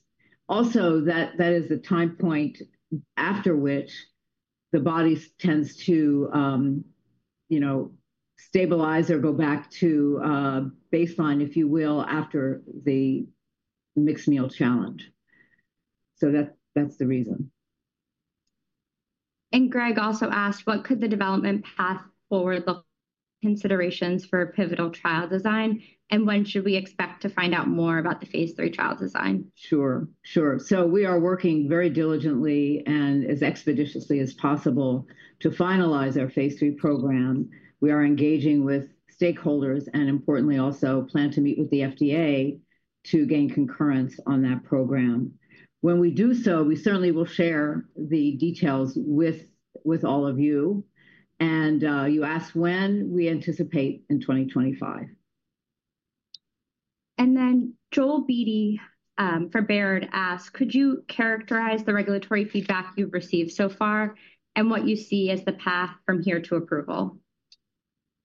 Also, that is the time point after which the body tends to, you know, stabilize or go back to baseline, if you will, after the mixed meal challenge, so that's the reason. Greg also asked: What could the development path forward look like, considerations for a pivotal trial design, and when should we expect to find out more about the phase 3 trial design? Sure, sure. So we are working very diligently and as expeditiously as possible to finalize our phase III program. We are engaging with stakeholders, and importantly, also plan to meet with the FDA to gain concurrence on that program. When we do so, we certainly will share the details with all of you. And you asked when? We anticipate in twenty twenty-five. And then Joel Beatty, from Baird asked: Could you characterize the regulatory feedback you've received so far and what you see as the path from here to approval?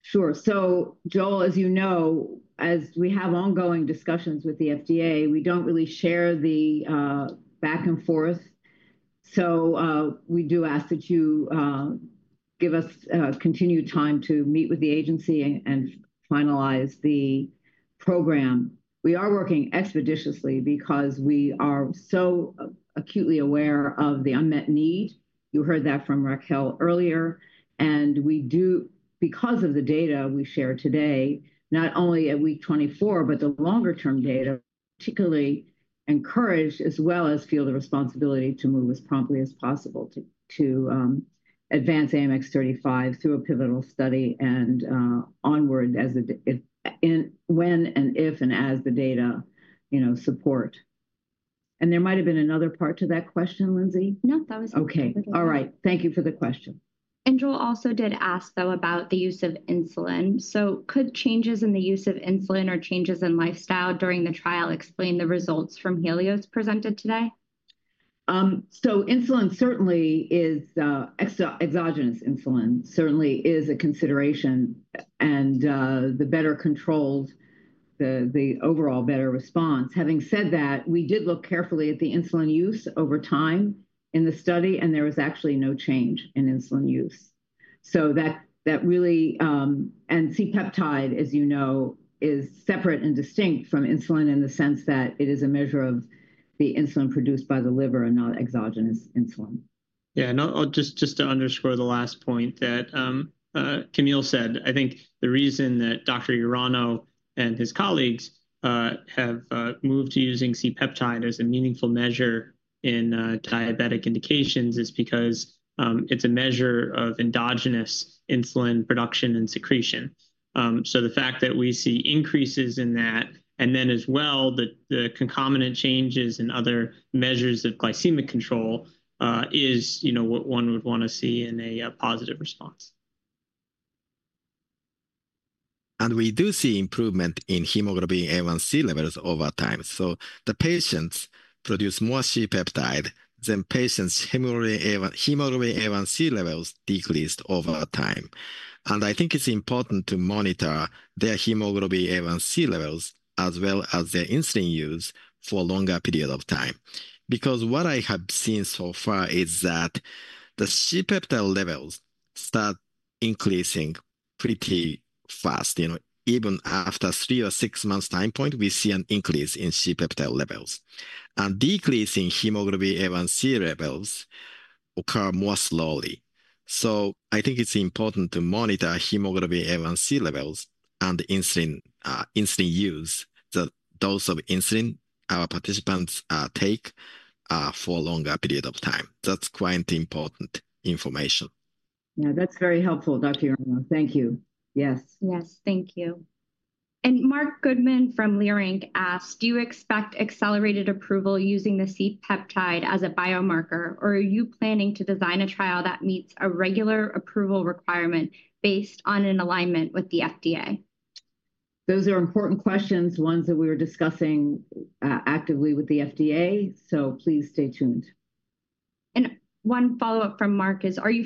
Sure. So Joel, as you know, as we have ongoing discussions with the FDA, we don't really share the back and forth. So we do ask that you give us continued time to meet with the agency and finalize the program. We are working expeditiously because we are so acutely aware of the unmet need. You heard that from Raquel earlier. And we do because of the data we shared today, not only at week 24, but the longer-term data, particularly encouraged, as well as feel the responsibility to move as promptly as possible to advance AMX0035 through a pivotal study and onward as the data, when and if and as the data, you know, support. And there might have been another part to that question, Lindsay? No, that was- Okay. All right. Thank you for the question. And Joel also did ask, though, about the use of insulin. So could changes in the use of insulin or changes in lifestyle during the trial explain the results from Helios presented today? So insulin certainly is exogenous insulin, certainly is a consideration, and the better controlled, the overall better response. Having said that, we did look carefully at the insulin use over time in the study, and there was actually no change in insulin use. So that really, and C-peptide, as you know, is separate and distinct from insulin in the sense that it is a measure of the insulin produced by the liver and not exogenous insulin. Yeah, and I'll just to underscore the last point that Camille said, I think the reason that Dr. Urano and his colleagues have moved to using C-peptide as a meaningful measure in diabetic indications is because it's a measure of endogenous insulin production and secretion. So the fact that we see increases in that, and then as well, the concomitant changes in other measures of glycemic control is, you know, what one would want to see in a positive response. And we do see improvement in hemoglobin A1C levels over time. So the patients produce more C-peptide. Hemoglobin A1C levels decreased over time. And I think it's important to monitor their hemoglobin A1C levels, as well as their insulin use for a longer period of time. Because what I have seen so far is that the C-peptide levels start increasing pretty fast. You know, even after three or six months time point, we see an increase in C-peptide levels. And decrease in hemoglobin A1C levels occur more slowly. So I think it's important to monitor hemoglobin A1C levels and insulin use, the dose of insulin our participants take, for a longer period of time. That's quite important information. Yeah, that's very helpful, Dr. Urano. Thank you. Yes. Yes, thank you. And Marc Goodman from Leerink asked: Do you expect accelerated approval using the C-peptide as a biomarker, or are you planning to design a trial that meets a regular approval requirement based on an alignment with the FDA? Those are important questions, ones that we are discussing actively with the FDA, so please stay tuned. One follow-up from Mark is: Are you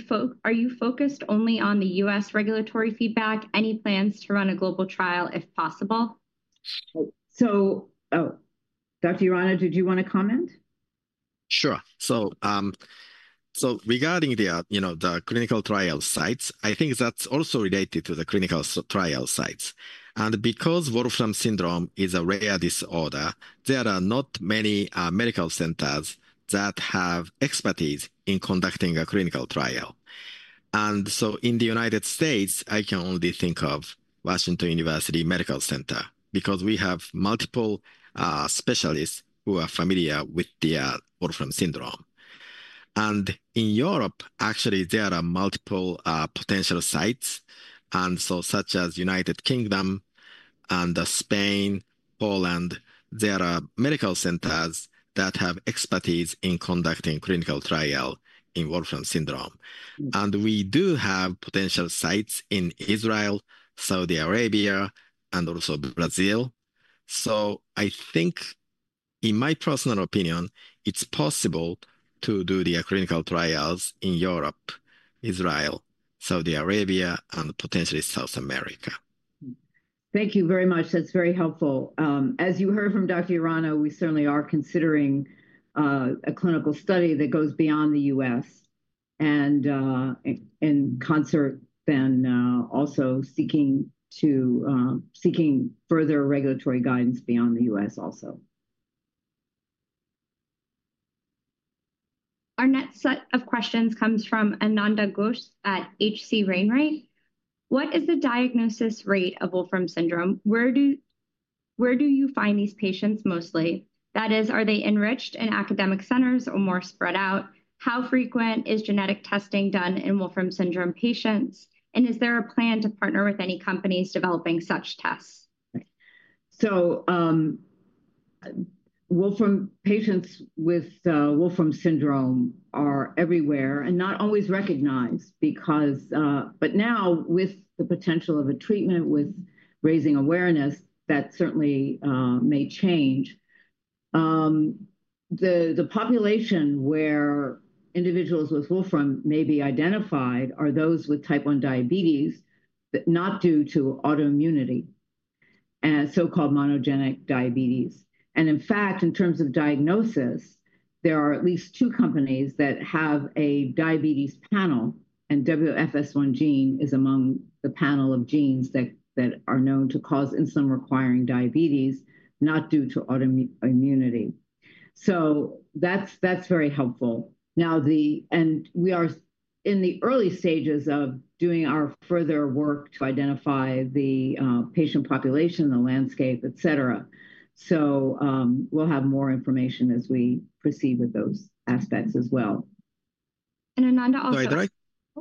focused only on the U.S. regulatory feedback? Any plans to run a global trial, if possible? So... Oh, Dr. Urano, did you want to comment?... Sure. So, regarding the, you know, the clinical trial sites, I think that's also related to the clinical trial sites. And because Wolfram Syndrome is a rare disorder, there are not many medical centers that have expertise in conducting a clinical trial. And so in the United States, I can only think of Washington University Medical Center, because we have multiple specialists who are familiar with the Wolfram Syndrome. And in Europe, actually, there are multiple potential sites, and so such as United Kingdom and Spain, Poland. There are medical centers that have expertise in conducting clinical trial in Wolfram Syndrome. And we do have potential sites in Israel, Saudi Arabia, and also Brazil. So I think, in my personal opinion, it's possible to do the clinical trials in Europe, Israel, Saudi Arabia, and potentially South America. Thank you very much. That's very helpful. As you heard from Dr. Urano, we certainly are considering a clinical study that goes beyond the U.S., and in concert, then, also seeking further regulatory guidance beyond the U.S. also. Our next set of questions comes from Ananda Ghosh at H.C. Wainwright: "What is the diagnosis rate of Wolfram Syndrome? Where do you find these patients mostly? That is, are they enriched in academic centers or more spread out? How frequent is genetic testing done in Wolfram Syndrome patients, and is there a plan to partner with any companies developing such tests? So, Wolfram patients with Wolfram Syndrome are everywhere and not always recognized because... But now, with the potential of a treatment, with raising awareness, that certainly may change. The population where individuals with Wolfram may be identified are those with Type 1 diabetes, but not due to autoimmunity, and so-called monogenic diabetes. And in fact, in terms of diagnosis, there are at least two companies that have a diabetes panel, and WFS1 gene is among the panel of genes that are known to cause insulin-requiring diabetes, not due to autoimmunity. So that's very helpful. Now, and we are in the early stages of doing our further work to identify the patient population, the landscape, et cetera. So, we'll have more information as we proceed with those aspects as well. And Ananda, also- So I'd like.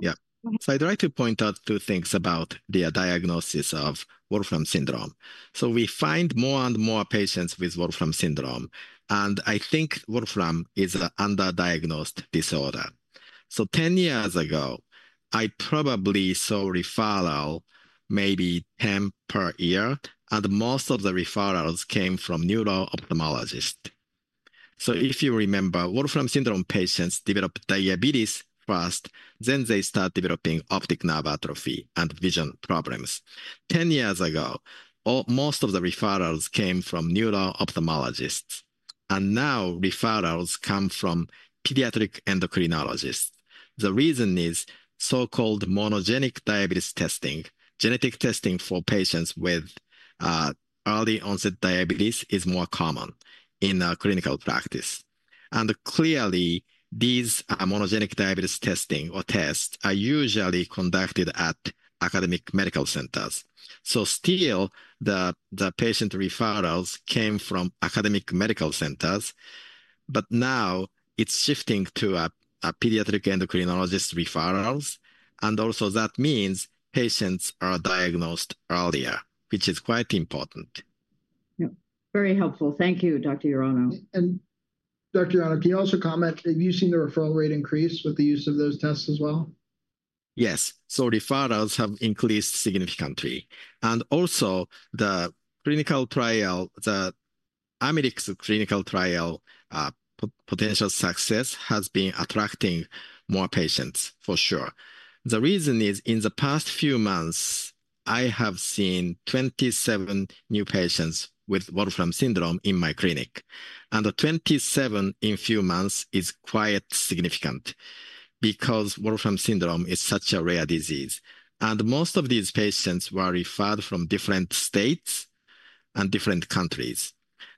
Yeah. Go ahead. I'd like to point out two things about the diagnosis of Wolfram Syndrome. We find more and more patients with Wolfram Syndrome, and I think Wolfram is an underdiagnosed disorder. Ten years ago, I probably saw referrals maybe ten per year, and most of the referrals came from neuro-ophthalmologists. If you remember, Wolfram Syndrome patients develop diabetes first, then they start developing optic nerve atrophy and vision problems. Ten years ago, most of the referrals came from neuro-ophthalmologists, and now referrals come from pediatric endocrinologists. The reason is so-called monogenic diabetes testing. Genetic testing for patients with early-onset diabetes is more common in a clinical practice. Clearly, these monogenic diabetes tests are usually conducted at academic medical centers. So still, the patient referrals came from academic medical centers, but now it's shifting to a pediatric endocrinologist referrals, and also that means patients are diagnosed earlier, which is quite important. Yeah. Very helpful. Thank you, Dr. Urano. Dr. Urano, can you also comment, have you seen the referral rate increase with the use of those tests as well? Yes. So referrals have increased significantly. And also, the clinical trial, the Amylyx clinical trial, potential success has been attracting more patients for sure. The reason is, in the past few months, I have seen 27 new patients with Wolfram Syndrome in my clinic, and 27 in few months is quite significant because Wolfram Syndrome is such a rare disease. And most of these patients were referred from different states and different countries,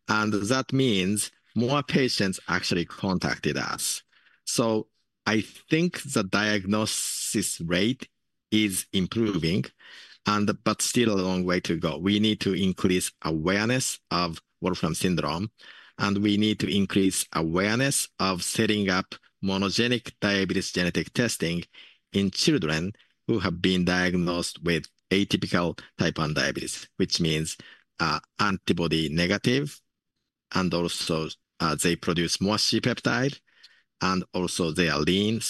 and that means more patients actually contacted us. So I think the diagnosis rate is improving, and but still a long way to go. We need to increase awareness of Wolfram Syndrome, and we need to increase awareness of setting up monogenic diabetes genetic testing in children who have been diagnosed with atypical type 1 diabetes, which means, antibody negative, and also, they produce more C-peptide, and also they are lean.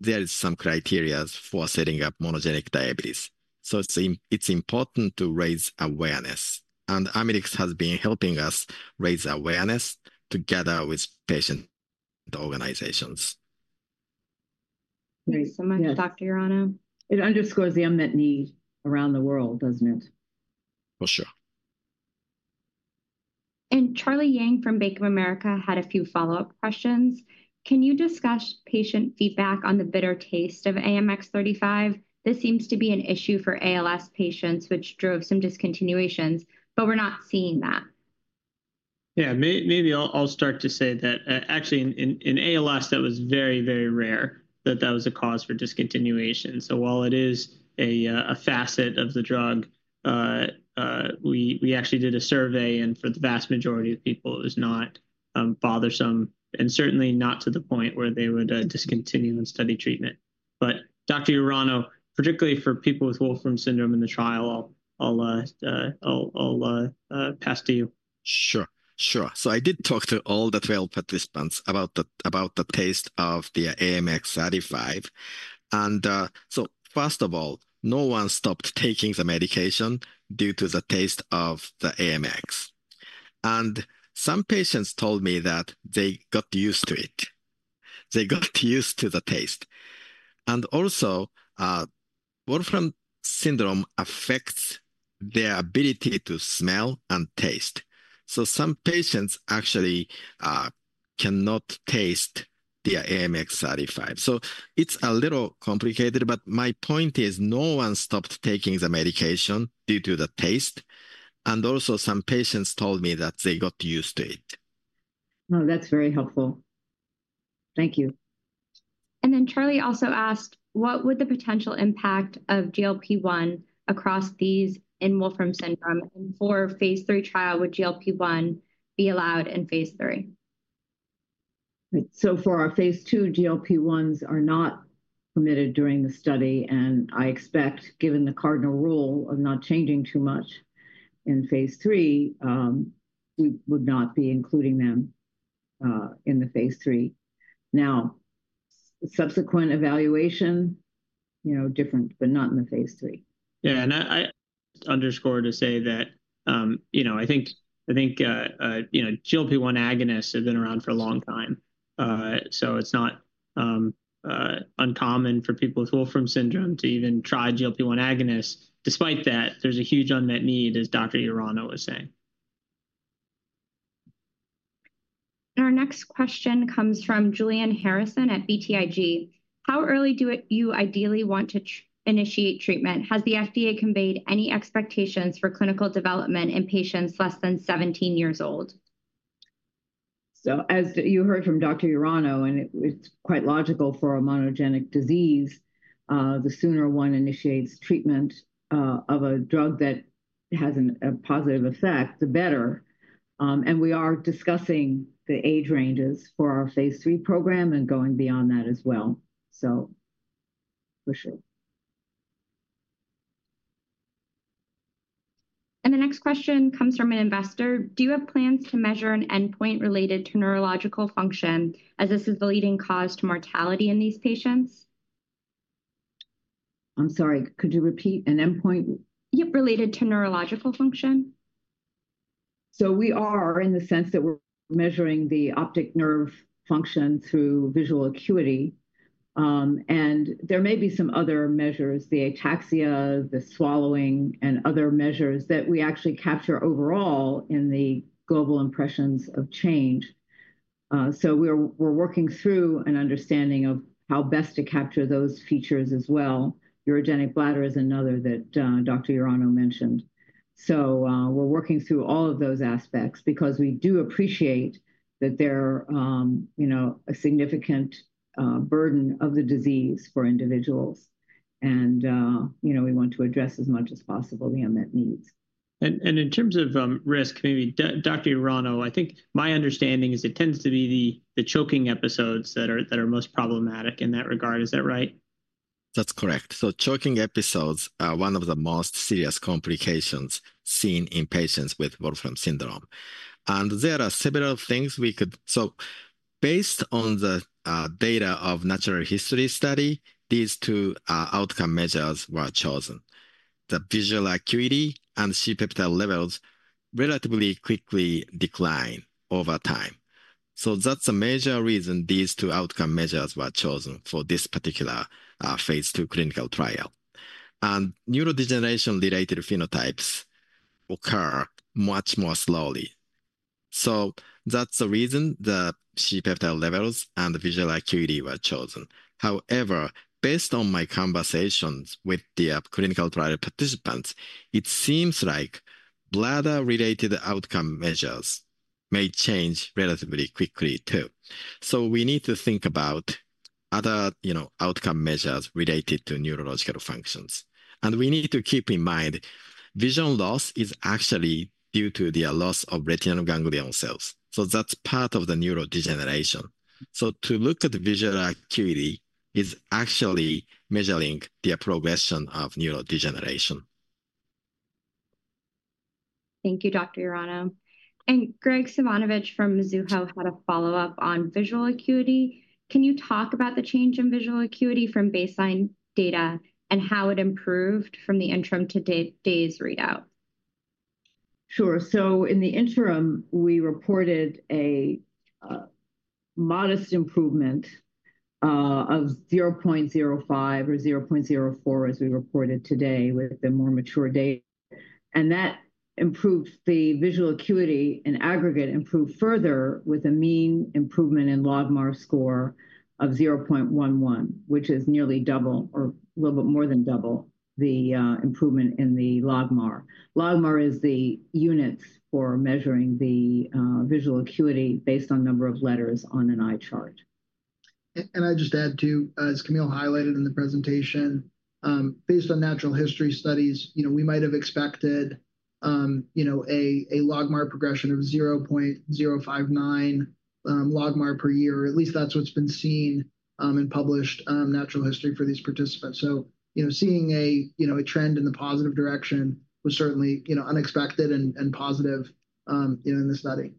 There is some criteria for setting up monogenic diabetes. It's important to raise awareness, and Amylyx has been helping us raise awareness together with patient organizations.... Thank you so much, Dr. Urano. It underscores the unmet need around the world, doesn't it? For sure. Charlie Yang from Bank of America had a few follow-up questions. Can you discuss patient feedback on the bitter taste of AMX35? This seems to be an issue for ALS patients, which drove some discontinuations, but we're not seeing that. Yeah. Maybe I'll start to say that, actually, in ALS, that was very, very rare that that was a cause for discontinuation. So while it is a facet of the drug, we actually did a survey, and for the vast majority of people, it was not bothersome, and certainly not to the point where they would discontinue the study treatment. But Dr. Urano, particularly for people with Wolfram Syndrome in the trial, I'll pass to you. Sure. I did talk to all the 12 participants about the taste of the AMX35. First of all, no one stopped taking the medication due to the taste of the AMX. Some patients told me that they got used to it. They got used to the taste. Also, Wolfram Syndrome affects their ability to smell and taste. Some patients actually cannot taste the AMX35. It's a little complicated, but my point is, no one stopped taking the medication due to the taste, and some patients told me that they got used to it. Well, that's very helpful. Thank you. Charlie also asked: What would the potential impact of GLP-1 across these in Wolfram Syndrome, and for phase three trial, would GLP-1 be allowed in phase three? So for our phase two, GLP-1s are not permitted during the study, and I expect, given the cardinal rule of not changing too much in phase three, we would not be including them in the phase three. Now, subsequent evaluation, you know, different, but not in the phase three. Yeah, and I underscore to say that, you know, I think GLP-1 agonists have been around for a long time. So it's not uncommon for people with Wolfram Syndrome to even try GLP-1 agonists. Despite that, there's a huge unmet need, as Dr. Urano was saying. Our next question comes from Julianne Harrison at BTIG. How early do you ideally want to initiate treatment? Has the FDA conveyed any expectations for clinical development in patients less than 17 years old? So as you heard from Dr. Urano, and it's quite logical for a monogenic disease, the sooner one initiates treatment of a drug that has a positive effect, the better. And we are discussing the age ranges for our phase three program and going beyond that as well. So for sure. The next question comes from an investor: Do you have plans to measure an endpoint related to neurological function, as this is the leading cause to mortality in these patients? I'm sorry, could you repeat, an endpoint? Yep, related to neurological function. So we are, in the sense that we're measuring the optic nerve function through visual acuity. And there may be some other measures, the ataxia, the swallowing, and other measures that we actually capture overall in the global impressions of change. So we're working through an understanding of how best to capture those features as well. Neurogenic bladder is another that Dr. Urano mentioned. So we're working through all of those aspects because we do appreciate that there are, you know, a significant burden of the disease for individuals and, you know, we want to address as much as possible the unmet needs. In terms of risk, maybe Dr. Urano, I think my understanding is it tends to be the choking episodes that are most problematic in that regard. Is that right? That's correct. So choking episodes are one of the most serious complications seen in patients with Wolfram Syndrome, and there are several things we could... So based on the data of natural history study, these two outcome measures were chosen. The visual acuity and C-peptide levels relatively quickly decline over time. So that's the major reason these two outcome measures were chosen for this particular phase two clinical trial. And neurodegeneration-related phenotypes occur much more slowly. So that's the reason the C-peptide levels and the visual acuity were chosen. However, based on my conversations with the clinical trial participants, it seems like bladder-related outcome measures may change relatively quickly too. So we need to think about other, you know, outcome measures related to neurological functions. We need to keep in mind, vision loss is actually due to the loss of retinal ganglion cells, so that's part of the neurodegeneration. To look at the visual acuity is actually measuring the progression of neurodegeneration. Thank you, Dr. Urano. And Graig Suvannavejh from Mizuho had a follow-up on visual acuity. Can you talk about the change in visual acuity from baseline data and how it improved from the interim to today's readout?... Sure. So in the interim, we reported a modest improvement of zero point zero five or zero point zero four, as we reported today, with the more mature data. And that improved the visual acuity, and aggregate improved further with a mean improvement in LogMAR score of zero point one one, which is nearly double or a little bit more than double the improvement in the LogMAR. LogMAR is the units for measuring the visual acuity based on number of letters on an eye chart. And I'd just add, too, as Camille highlighted in the presentation, based on natural history studies, you know, we might have expected, you know, a LogMAR progression of zero point zero five nine LogMAR per year, or at least that's what's been seen in published natural history for these participants. So, you know, seeing a you know, a trend in the positive direction was certainly, you know, unexpected and positive, you know, in the study.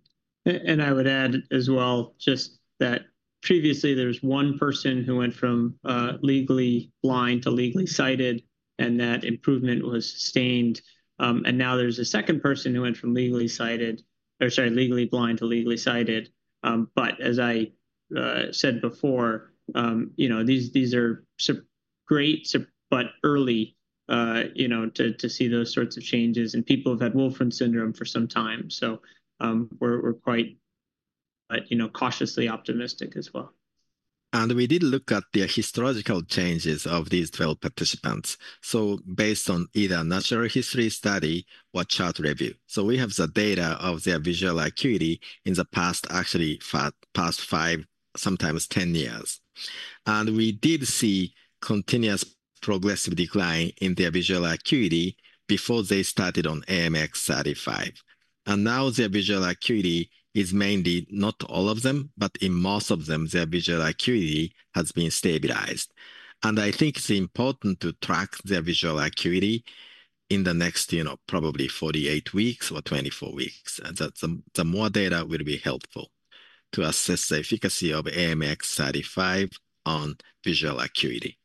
And I would add as well, just that previously there was one person who went from legally blind to legally sighted, and that improvement was sustained. And now there's a second person who went from legally sighted, or sorry, legally blind to legally sighted. But as I said before, you know, these are great but early, you know, to see those sorts of changes, and people have had Wolfram Syndrome for some time. So, we're quite, you know, cautiously optimistic as well. We did look at the historical changes of these 12 participants, so based on either natural history study or chart review, so we have the data of their visual acuity in the past, actually, past 5, sometimes 10 years. We did see continuous progressive decline in their visual acuity before they started on AMX35. Now their visual acuity is mainly, not all of them, but in most of them, their visual acuity has been stabilized. I think it's important to track their visual acuity in the next, you know, probably 48 weeks or 24 weeks. The more data will be helpful to assess the efficacy of AMX35 on visual acuity.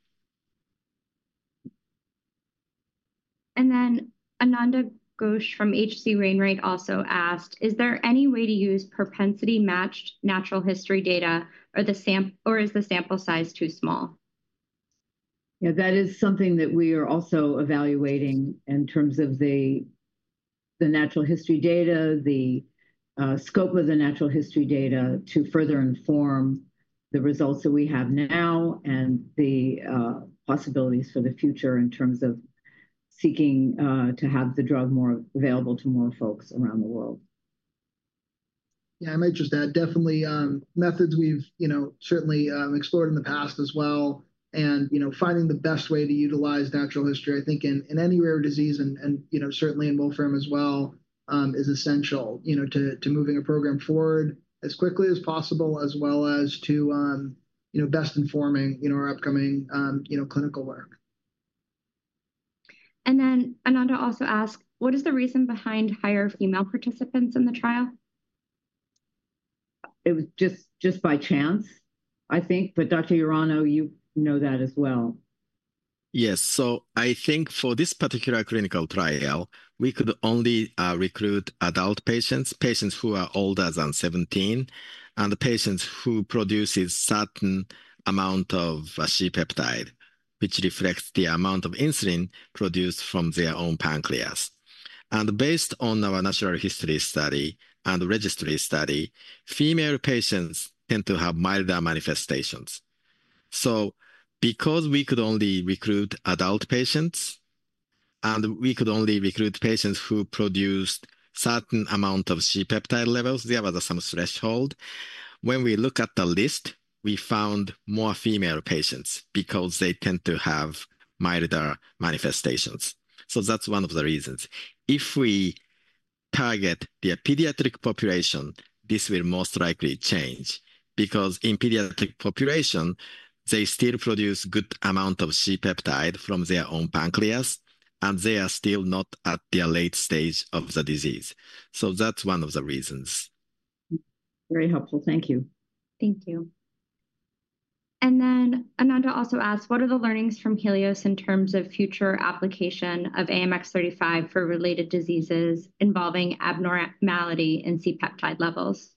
Then Ananda Ghosh from H.C. Wainwright also asked, "Is there any way to use propensity-matched natural history data, or is the sample size too small? Yeah, that is something that we are also evaluating in terms of the natural history data, the scope of the natural history data, to further inform the results that we have now and the possibilities for the future in terms of seeking to have the drug more available to more folks around the world. Yeah, I might just add, definitely, methods we've, you know, certainly, explored in the past as well, and, you know, finding the best way to utilize natural history, I think, in any rare disease and, you know, certainly in Wolfram as well, is essential, you know, to moving a program forward as quickly as possible, as well as to, you know, best informing, you know, our upcoming, you know, clinical work. And then Ananda also asked: "What is the reason behind higher female participants in the trial? It was just by chance, I think, but Dr. Urano, you know that as well. Yes. So I think for this particular clinical trial, we could only recruit adult patients, patients who are older than seventeen, and patients who produces certain amount of C-peptide, which reflects the amount of insulin produced from their own pancreas. And based on our natural history study and registry study, female patients tend to have milder manifestations. So because we could only recruit adult patients, and we could only recruit patients who produced certain amount of C-peptide levels, there was some threshold. When we look at the list, we found more female patients because they tend to have milder manifestations, so that's one of the reasons. If we target the pediatric population, this will most likely change because in pediatric population, they still produce good amount of C-peptide from their own pancreas, and they are still not at their late stage of the disease. So that's one of the reasons. Very helpful. Thank you. Thank you, and then Ananda also asked: "What are the learnings from Helios in terms of future application of AMX35 for related diseases involving abnormality in C-peptide levels?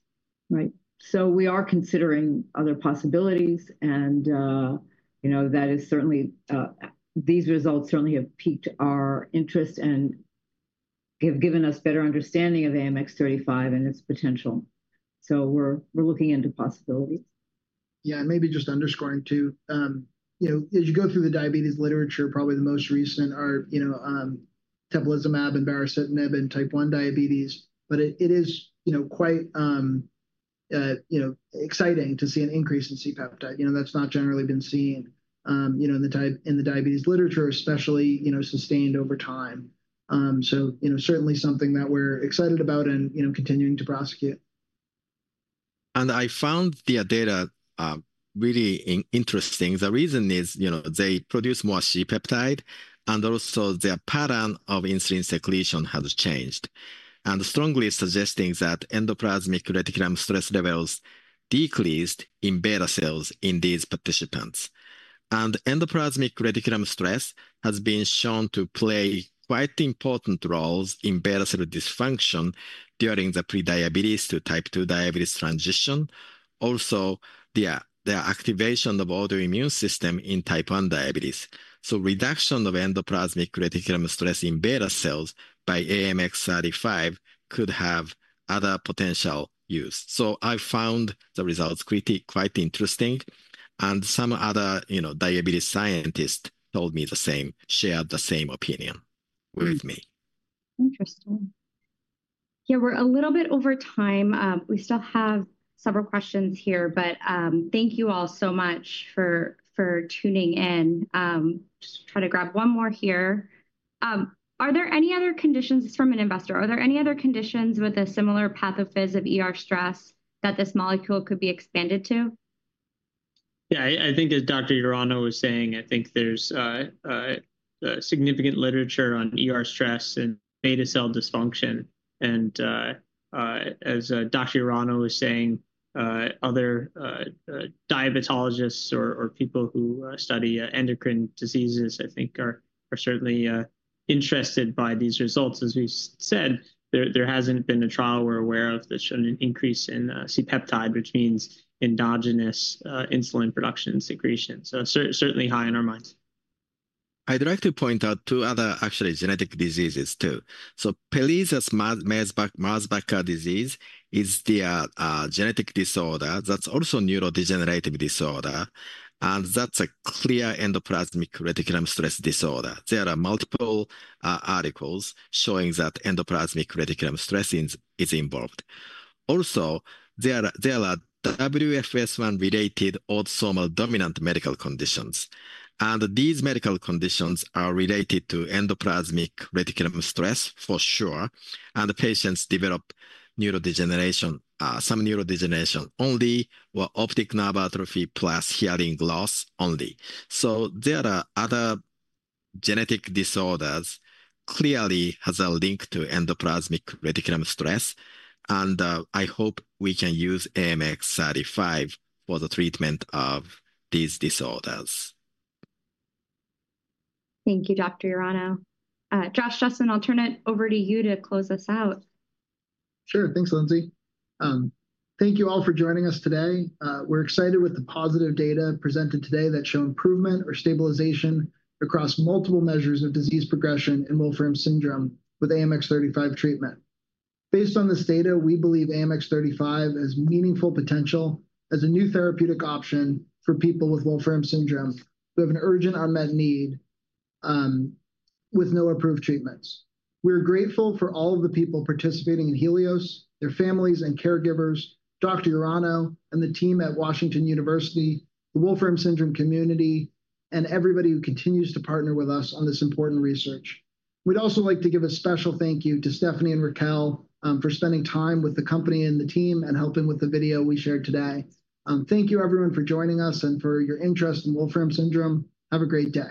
Right. So we are considering other possibilities, and, you know, that is certainly. These results certainly have piqued our interest and have given us better understanding of AMX35 and its potential, so we're looking into possibilities. Yeah, and maybe just underscoring, too, you know, as you go through the diabetes literature, probably the most recent are, you know, teplizumab and baricitinib in Type One diabetes. But it, it is, you know, quite, you know, exciting to see an increase in C-peptide. You know, that's not generally been seen, you know, in the diabetes literature, especially, you know, sustained over time. So, you know, certainly something that we're excited about and, you know, continuing to prosecute. I found the data really interesting. The reason is, you know, they produce more C-peptide, and also their pattern of insulin secretion has changed, and strongly suggesting that endoplasmic reticulum stress levels decreased in beta cells in these participants. Endoplasmic reticulum stress has been shown to play quite important roles in beta cell dysfunction during the pre-diabetes to type two diabetes transition. Also, the activation of autoimmune system in type one diabetes. So reduction of endoplasmic reticulum stress in beta cells by AMX35 could have other potential use. I found the results pretty interesting, and some other, you know, diabetes scientists told me the same, shared the same opinion with me. Interesting. Yeah, we're a little bit over time. We still have several questions here, but, thank you all so much for tuning in. Just try to grab one more here. Are there any other conditions... This is from an investor: Are there any other conditions with a similar pathophysiology of ER stress that this molecule could be expanded to? Yeah, I think as Dr. Urano was saying, I think there's significant literature on ER stress and beta cell dysfunction. And as Dr. Urano was saying, other diabetologists or people who study endocrine diseases, I think are certainly interested by these results. As we've said, there hasn't been a trial we're aware of that's shown an increase in C-peptide, which means endogenous insulin production and secretion, so certainly high on our minds. I'd like to point out two other actually genetic diseases, too. So Pelizaeus-Merzbacher disease is the genetic disorder that's also neurodegenerative disorder, and that's a clear endoplasmic reticulum stress disorder. There are multiple articles showing that endoplasmic reticulum stress is involved. Also, there are WFS1-related autosomal dominant medical conditions, and these medical conditions are related to endoplasmic reticulum stress, for sure, and the patients develop neurodegeneration, some neurodegeneration only, or optic nerve atrophy plus hearing loss only. So there are other genetic disorders clearly has a link to endoplasmic reticulum stress, and I hope we can use AMX35 for the treatment of these disorders. Thank you, Dr. Urano. Josh, Justin, I'll turn it over to you to close us out. Sure. Thanks, Lindsay. Thank you all for joining us today. We're excited with the positive data presented today that show improvement or stabilization across multiple measures of disease progression in Wolfram Syndrome with AMX35 treatment. Based on this data, we believe AMX35 has meaningful potential as a new therapeutic option for people with Wolfram Syndrome, who have an urgent unmet need, with no approved treatments. We're grateful for all of the people participating in Helios, their families and caregivers, Dr. Urano and the team at Washington University, the Wolfram Syndrome community, and everybody who continues to partner with us on this important research. We'd also like to give a special thank you to Stephanie and Raquel, for spending time with the company and the team and helping with the video we shared today. Thank you, everyone, for joining us and for your interest in Wolfram Syndrome. Have a great day.